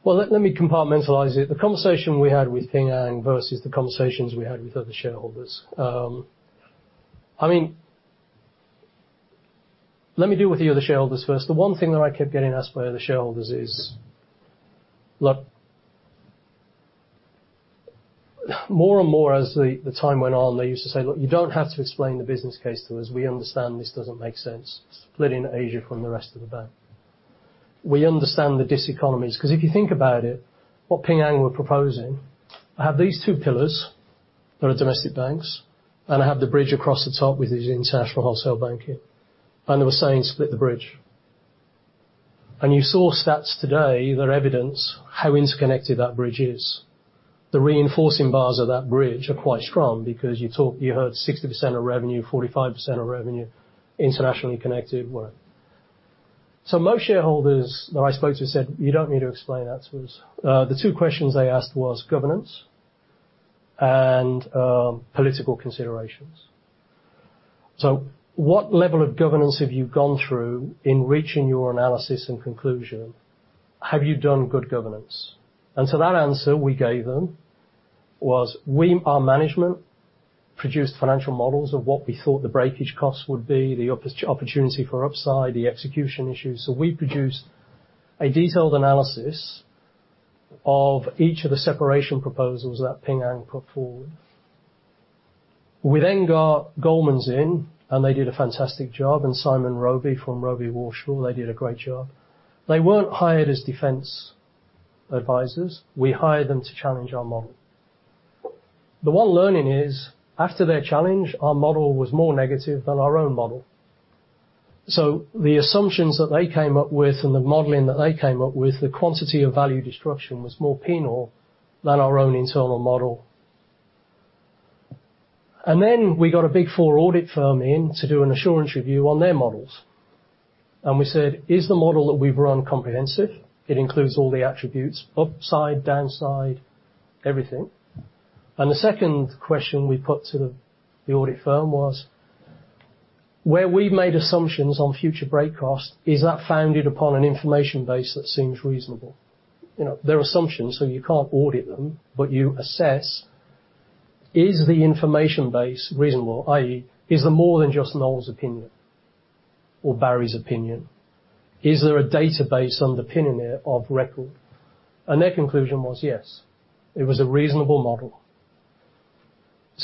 Well, let me compartmentalize it. The conversation we had with Ping An versus the conversations we had with other shareholders. I mean, let me deal with the other shareholders first. The one thing that I kept getting asked by other shareholders is, look, more and more as the time went on, they used to say, "Look, you don't have to explain the business case to us. We understand this doesn't make sense, splitting Asia from the rest of the bank. We understand the diseconomies." Because if you think about it, what Ping An were proposing, I have these two pillars that are domestic banks, and I have the bridge across the top with the international wholesale banking, and they were saying, "Split the bridge." You saw stats today that evidence how interconnected that bridge is. The reinforcing bars of that bridge are quite strong because you heard 60% of revenue, 45% of revenue, internationally connected, whatever. Most shareholders that I spoke to said, "You don't need to explain that to us." The two questions they asked was governance and political considerations. What level of governance have you gone through in reaching your analysis and conclusion? Have you done good governance? That answer we gave them was our management produced financial models of what we thought the breakage costs would be, the opportunity for upside, the execution issues. We produced a detailed analysis of each of the separation proposals that Ping An put forward. We then got Goldmans in, and they did a fantastic job. Simon Robey from Robey Warshaw, they did a great job. They weren't hired as defense advisors. We hired them to challenge our model. The one learning is after their challenge, our model was more negative than our own model. The assumptions that they came up with and the modeling that they came up with, the quantity of value destruction was more penal than our own internal model. We got a Big Four audit firm in to do an assurance review on their models. We said, "Is the model that we've run comprehensive? It includes all the attributes, upside, downside, everything." The second question we put to the audit firm was: where we've made assumptions on future break costs, is that founded upon an information base that seems reasonable? You know, they're assumptions, so you can't audit them, but you assess, is the information base reasonable? i.e., is it more than just Noel's opinion or Barry's opinion? Is there a database underpinning it of record? Their conclusion was yes, it was a reasonable model.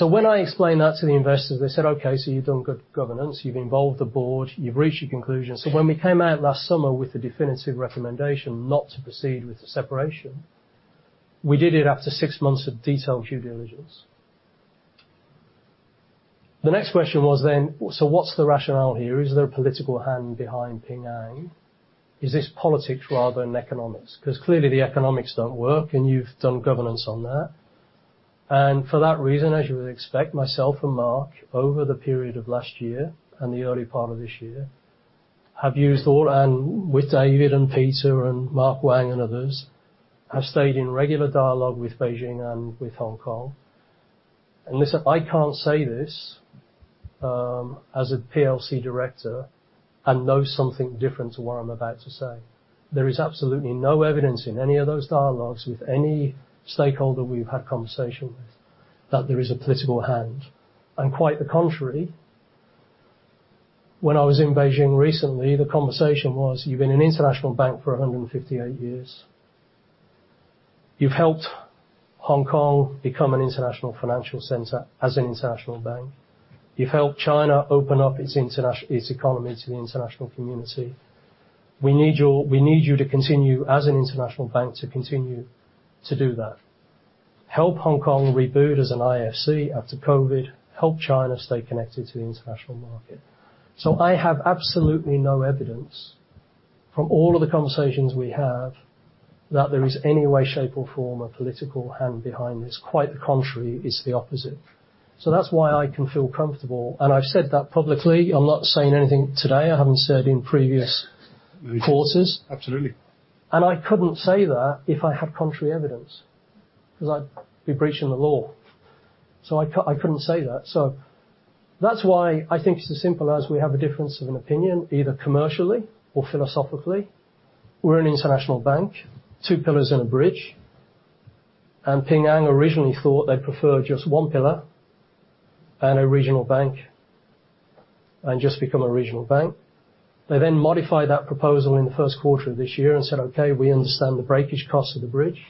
When I explained that to the investors, they said, "Okay, so you've done good governance, you've involved the Board, you've reached your conclusion." When we came out last summer with the definitive recommendation not to proceed with the separation, we did it after six months of detailed due diligence. The next question was, what's the rationale here? Is there a political hand behind Ping An? Is this politics rather than economics? 'Cause clearly the economics don't work, and you've done governance on that. For that reason, as you would expect, myself and Mark, over the period of last year and the early part of this year, have used and with David and Peter and Mark Wang and others, have stayed in regular dialogue with Beijing and with Hong Kong. Listen, I can't say this as a PLC director and know something different to what I'm about to say. There is absolutely no evidence in any of those dialogues with any stakeholder we've had conversations, that there is a political hand. Quite the contrary, when I was in Beijing recently, the conversation was, you've been an international bank for 158 years. You've helped Hong Kong become an international financial center as an international bank. You've helped China open up its economy to the international community. We need your, we need you to continue, as an international bank, to continue to do that. Help Hong Kong reboot as an IFC after COVID. Help China stay connected to the international market. I have absolutely no evidence from all of the conversations we have that there is any way, shape, or form a political hand behind this. Quite the contrary, it's the opposite. That's why I can feel comfortable, and I've said that publicly. I'm not saying anything today I haven't said in previous courses. Absolutely. I couldn't say that if I had contrary evidence, 'cause I'd be breaching the law. I couldn't say that. That's why I think it's as simple as we have a difference of an opinion, either commercially or philosophically. We're an international bank, two pillars and a bridge. Ping An originally thought they'd prefer just one pillar and a regional bank, and just become a regional bank. They then modified that proposal in the first quarter of this year and said, "Okay, we understand the breakage cost of the bridge.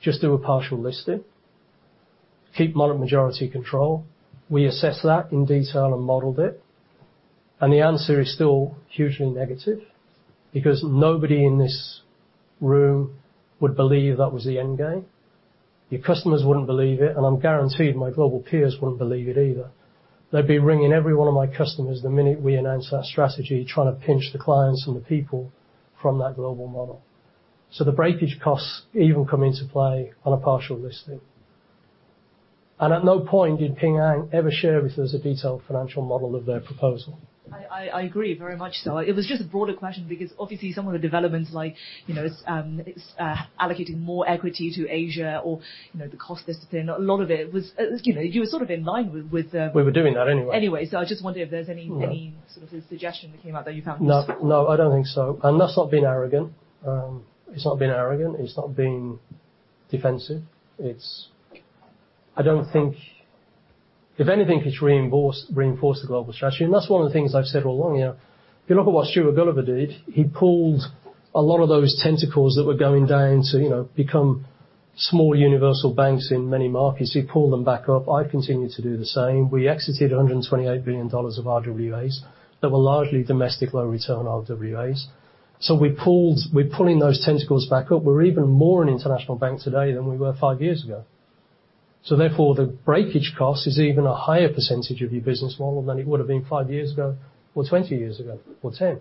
Just do a partial listing. Keep majority control." We assessed that in detail and modeled it, the answer is still hugely negative because nobody in this room would believe that was the end game. Your customers wouldn't believe it, I'm guaranteed my global peers wouldn't believe it either. They'd be ringing every one of my customers the minute we announce that strategy, trying to pinch the clients and the people from that global model. The breakage costs even come into play on a partial listing. At no point did Ping An ever share with us a detailed financial model of their proposal. I agree, very much so. It was just a broader question because obviously some of the developments like, you know, it's allocating more equity to Asia or, you know, the cost discipline. A lot of it was, you know, you were sort of in line with. We were doing that anyway. I just wondered if there's. No. Any sort of suggestion that came out that you found useful. No. No, I don't think so. That's not being arrogant. It's not being arrogant. It's not being defensive. It's I don't think. If anything, it's reinforced the global strategy. That's one of the things I've said all along here. If you look at what Stuart Gulliver did, he pulled a lot of those tentacles that were going down to, you know, become small universal banks in many markets. He pulled them back up. I've continued to do the same. We exited $128 billion of RWAs that were largely domestic low return RWAs. We're pulling those tentacles back up. We're even more an international bank today than we were five years ago. Therefore, the breakage cost is even a higher percentage of your business model than it would've been five years ago or 20 years ago, or 10.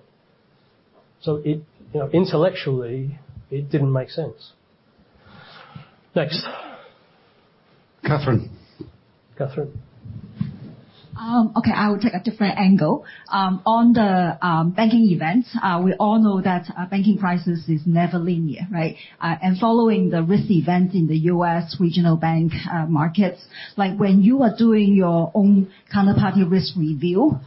It, you know, intellectually, it didn't make sense. Next. Katherine. Catherine. Okay, I will take a different angle. On the banking events, we all know that a banking crisis is never linear, right? Following the risk event in the U.S. regional bank, markets, like when you are doing your own counterparty risk review,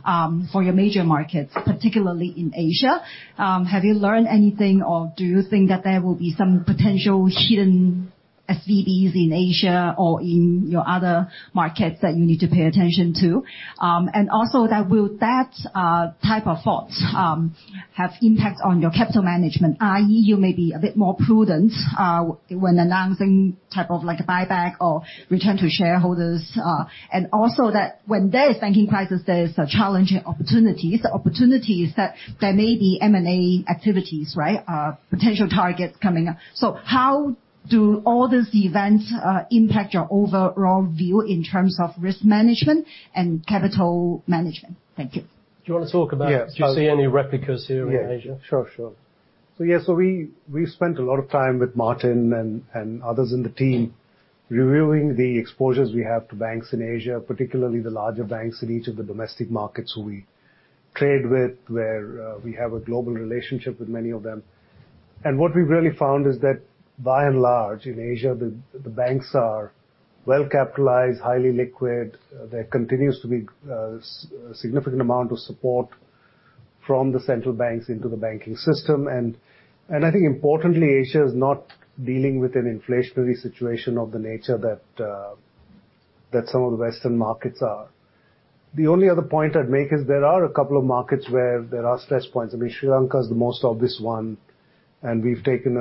for your major markets, particularly in Asia, have you learned anything or do you think that there will be some potential hidden SVBs in Asia or in your other markets that you need to pay attention to? Also that will, that type of thoughts, have impact on your capital management, i.e., you may be a bit more prudent, when announcing type of like a buyback or return to shareholders. Also that when there is banking crisis, there is a challenge and opportunities. The opportunities that there may be M&A activities, right? Potential targets coming up. How do all these events impact your overall view in terms of risk management and capital management? Thank you. Do you wanna talk about— Yeah. Do you see any replicas here in Asia? Yeah. Sure, sure. Yeah, we've spent a lot of time with Martin and others in the team reviewing the exposures we have to banks in Asia, particularly the larger banks in each of the domestic markets who we trade with, where we have a global relationship with many of them. What we really found is that by and large, in Asia, the banks are well capitalized, highly liquid. There continues to be a significant amount of support from the central banks into the banking system. I think importantly, Asia is not dealing with an inflationary situation of the nature that some of the Western markets are. The only other point I'd make is there are a couple of markets where there are stress points. I mean, Sri Lanka is the most obvious one, and we've taken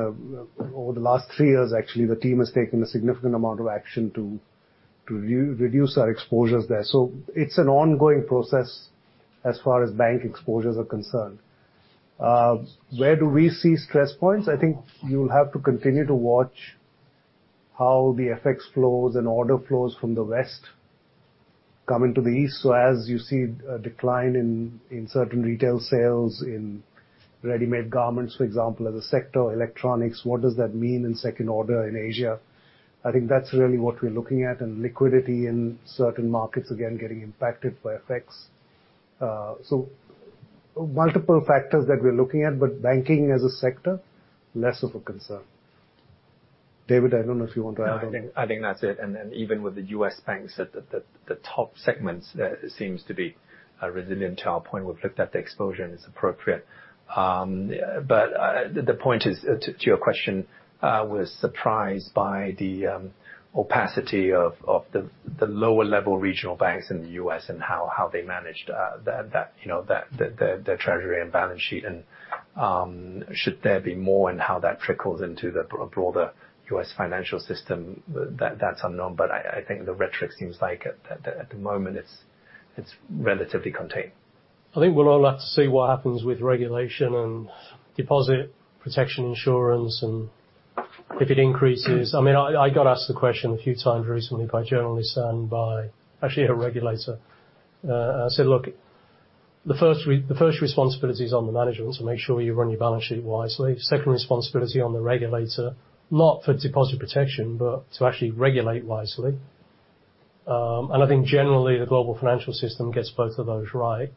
over the last three years, actually, the team has taken a significant amount of action to re-reduce our exposures there. It's an ongoing process as far as bank exposures are concerned. Where do we see stress points? I think you'll have to continue to watch how the FX flows and order flows from the West come into the East. As you see a decline in certain retail sales, in ready-made garments, for example, as a sector, electronics, what does that mean in second order in Asia? I think that's really what we're looking at, and liquidity in certain markets, again, getting impacted by effects. Multiple factors that we're looking at, but banking as a sector, less of a concern. David, I don't know if you want to add on? No, I think that's it. Even with the U.S. banks, the top segments there seems to be resilient to our point. We've looked at the exposure, and it's appropriate. The point is, to your question, was surprised by the opacity of the lower level regional banks in the U.S. and how they managed that, you know, the Treasury and balance sheet. Should there be more in how that trickles into the broader U.S. financial system? That's unknown, but I think the rhetoric seems like at the moment it's relatively contained. I think we'll all have to see what happens with regulation and deposit protection insurance and if it increases. I mean, I got asked the question a few times recently by journalists and by actually a regulator. I said, look, the first responsibility is on the management to make sure you run your balance sheet wisely. Second responsibility on the regulator, not for deposit protection, but to actually regulate wisely. I think generally, the global financial system gets both of those right.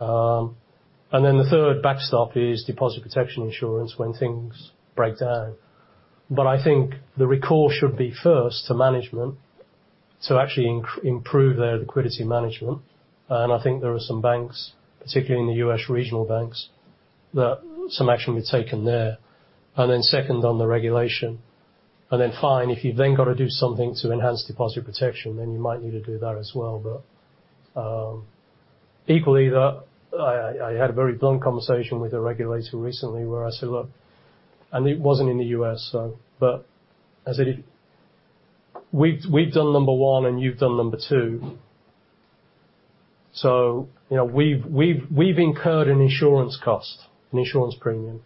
Then the third backstop is deposit protection insurance when things break down. I think the recall should be first to management to actually improve their liquidity management. I think there are some banks, particularly in the U.S. regional banks, that some action be taken there. Then second on the regulation. Then fine, if you've then got to do something to enhance deposit protection, then you might need to do that as well. Equally that I, I had a very blunt conversation with a regulator recently where I said, look. It wasn't in the U.S., so I said, we've done number 1 and you've done number 2. You know, we've, we've incurred an insurance cost, an insurance premium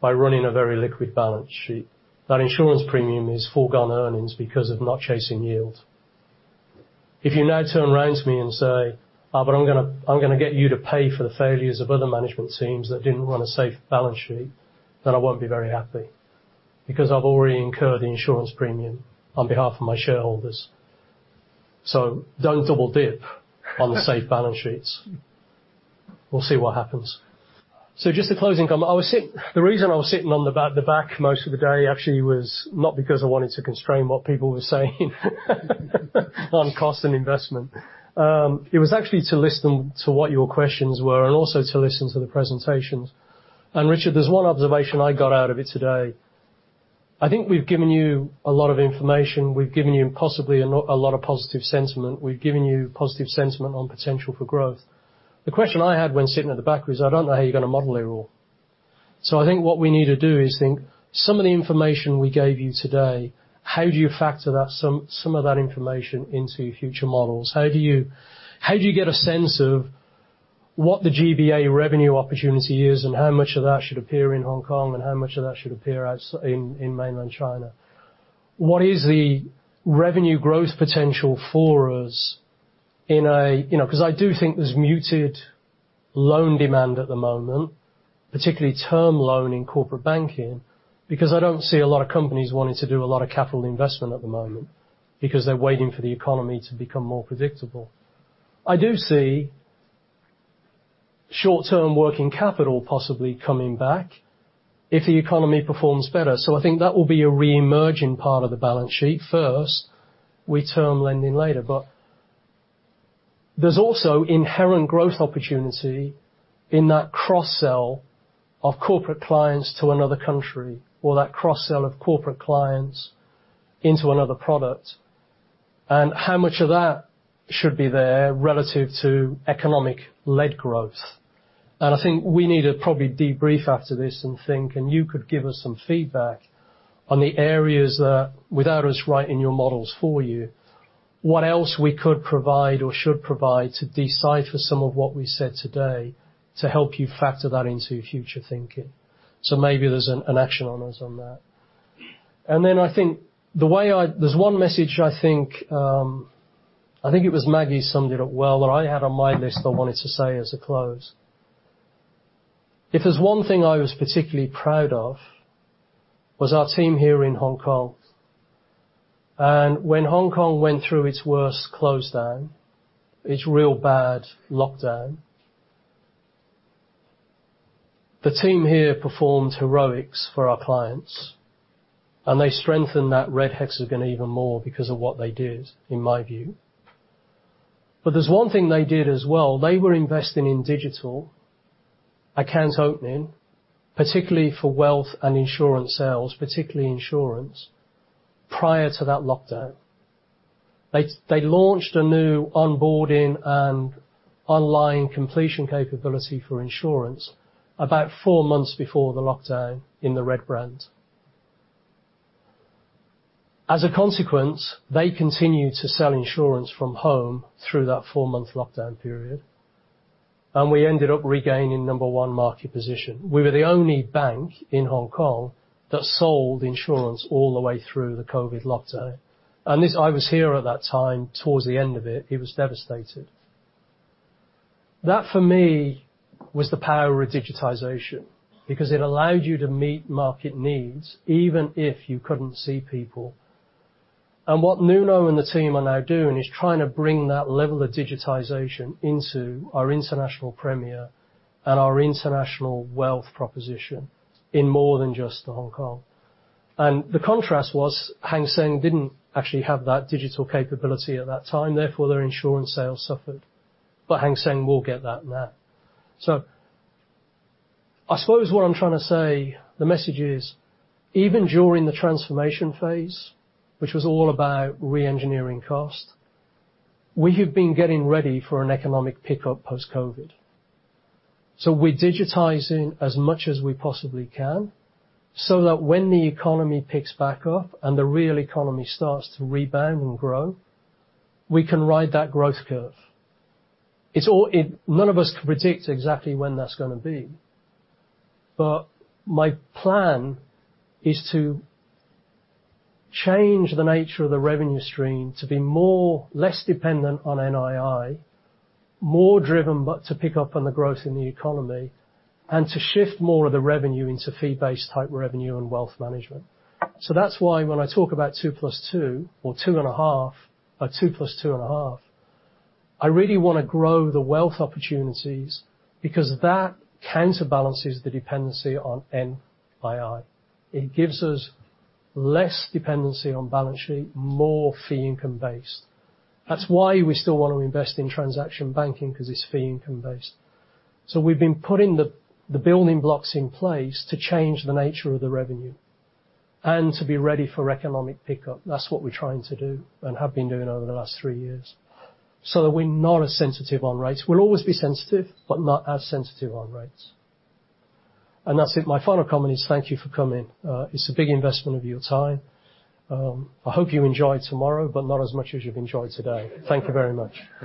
by running a very liquid balance sheet. That insurance premium is foregone earnings because of not chasing yields. If you now turn around to me and say, "But I'm gonna, I'm gonna get you to pay for the failures of other management teams that didn't run a safe balance sheet," then I won't be very happy, because I've already incurred the insurance premium on behalf of my shareholders. Don't double-dip on the safe balance sheets. We'll see what happens. Just a closing comment. I was the reason I was sitting on the back most of the day actually was not because I wanted to constrain what people were saying on cost and investment. It was actually to listen to what your questions were and also to listen to the presentations. Richard, there's one observation I got out of it today. I think we've given you a lot of information. We've given you possibly a lot of positive sentiment. We've given you positive sentiment on potential for growth. The question I had when sitting at the back was, I don't know how you're gonna model it all. I think what we need to do is think some of the information we gave you today, how do you factor that some of that information into your future models? How do you, how do you get a sense of what the GBA revenue opportunity is and how much of that should appear in Hong Kong and how much of that should appear in mainland China? What is the revenue growth potential for us in a— you know, 'cause I do think there's muted loan demand at the moment, particularly term loan in corporate banking, because I don't see a lot of companies wanting to do a lot of capital investment at the moment because they're waiting for the economy to become more predictable. I do see short-term working capital possibly coming back if the economy performs better. I think that will be a reemerging part of the balance sheet first, with term lending later. There's also inherent growth opportunity in that cross-sell of corporate clients to another country or that cross-sell of corporate clients into another product, and how much of that should be there relative to economic-led growth. I think we need to probably debrief after this and think, and you could give us some feedback on the areas that, without us writing your models for you, what else we could provide or should provide to decipher some of what we said today to help you factor that into your future thinking. Maybe there's an action on us on that. I think the way I there's one message I think, I think it was Maggie summed it up well, that I had on my list I wanted to say as a close. If there's one thing I was particularly proud of was our team here in Hong Kong. When Hong Kong went through its worst close down, its real bad lockdown, the team here performed heroics for our clients, and they strengthened that red hexagon even more because of what they did, in my view. There's one thing they did as well. They were investing in digital account opening, particularly for wealth and insurance sales, particularly insurance, prior to that lockdown. They launched a new onboarding and online completion capability for insurance about four months before the lockdown in the red brand. They continued to sell insurance from home through that four-month lockdown period. We ended up regaining number one market position. We were the only bank in Hong Kong that sold insurance all the way through the COVID lockdown. I was here at that time, towards the end of it. It was devastated. That, for me, was the power of digitization, because it allowed you to meet market needs, even if you couldn't see people. What Nuno and the team are now doing is trying to bring that level of digitization into our international Premier and our international wealth proposition in more than just the Hong Kong. The contrast was Hang Seng didn't actually have that digital capability at that time, therefore, their insurance sales suffered. Hang Seng will get that now. I suppose what I'm trying to say, the message is, even during the transformation phase, which was all about reengineering cost, we have been getting ready for an economic pickup post-COVID. We're digitizing as much as we possibly can so that when the economy picks back up and the real economy starts to rebound and grow, we can ride that growth curve. None of us can predict exactly when that's gonna be, but my plan is to change the nature of the revenue stream to be less dependent on NII, more driven, but to pick up on the growth in the economy and to shift more of the revenue into fee-based type revenue and wealth management. That's why when I talk about two plus two or two and a half, or two plus two and a half, I really want to grow the wealth opportunities because that counterbalances the dependency on NII. It gives us less dependency on balance sheet, more fee income-based. That's why we still want to invest in transaction banking, 'cause it's fee income-based. We've been putting the building blocks in place to change the nature of the revenue and to be ready for economic pickup. That's what we're trying to do and have been doing over the last three years. That we're not as sensitive on rates. We'll always be sensitive, but not as sensitive on rates. That's it. My final comment is thank you for coming. It's a big investment of your time. I hope you enjoy tomorrow, but not as much as you've enjoyed today. Thank you very much.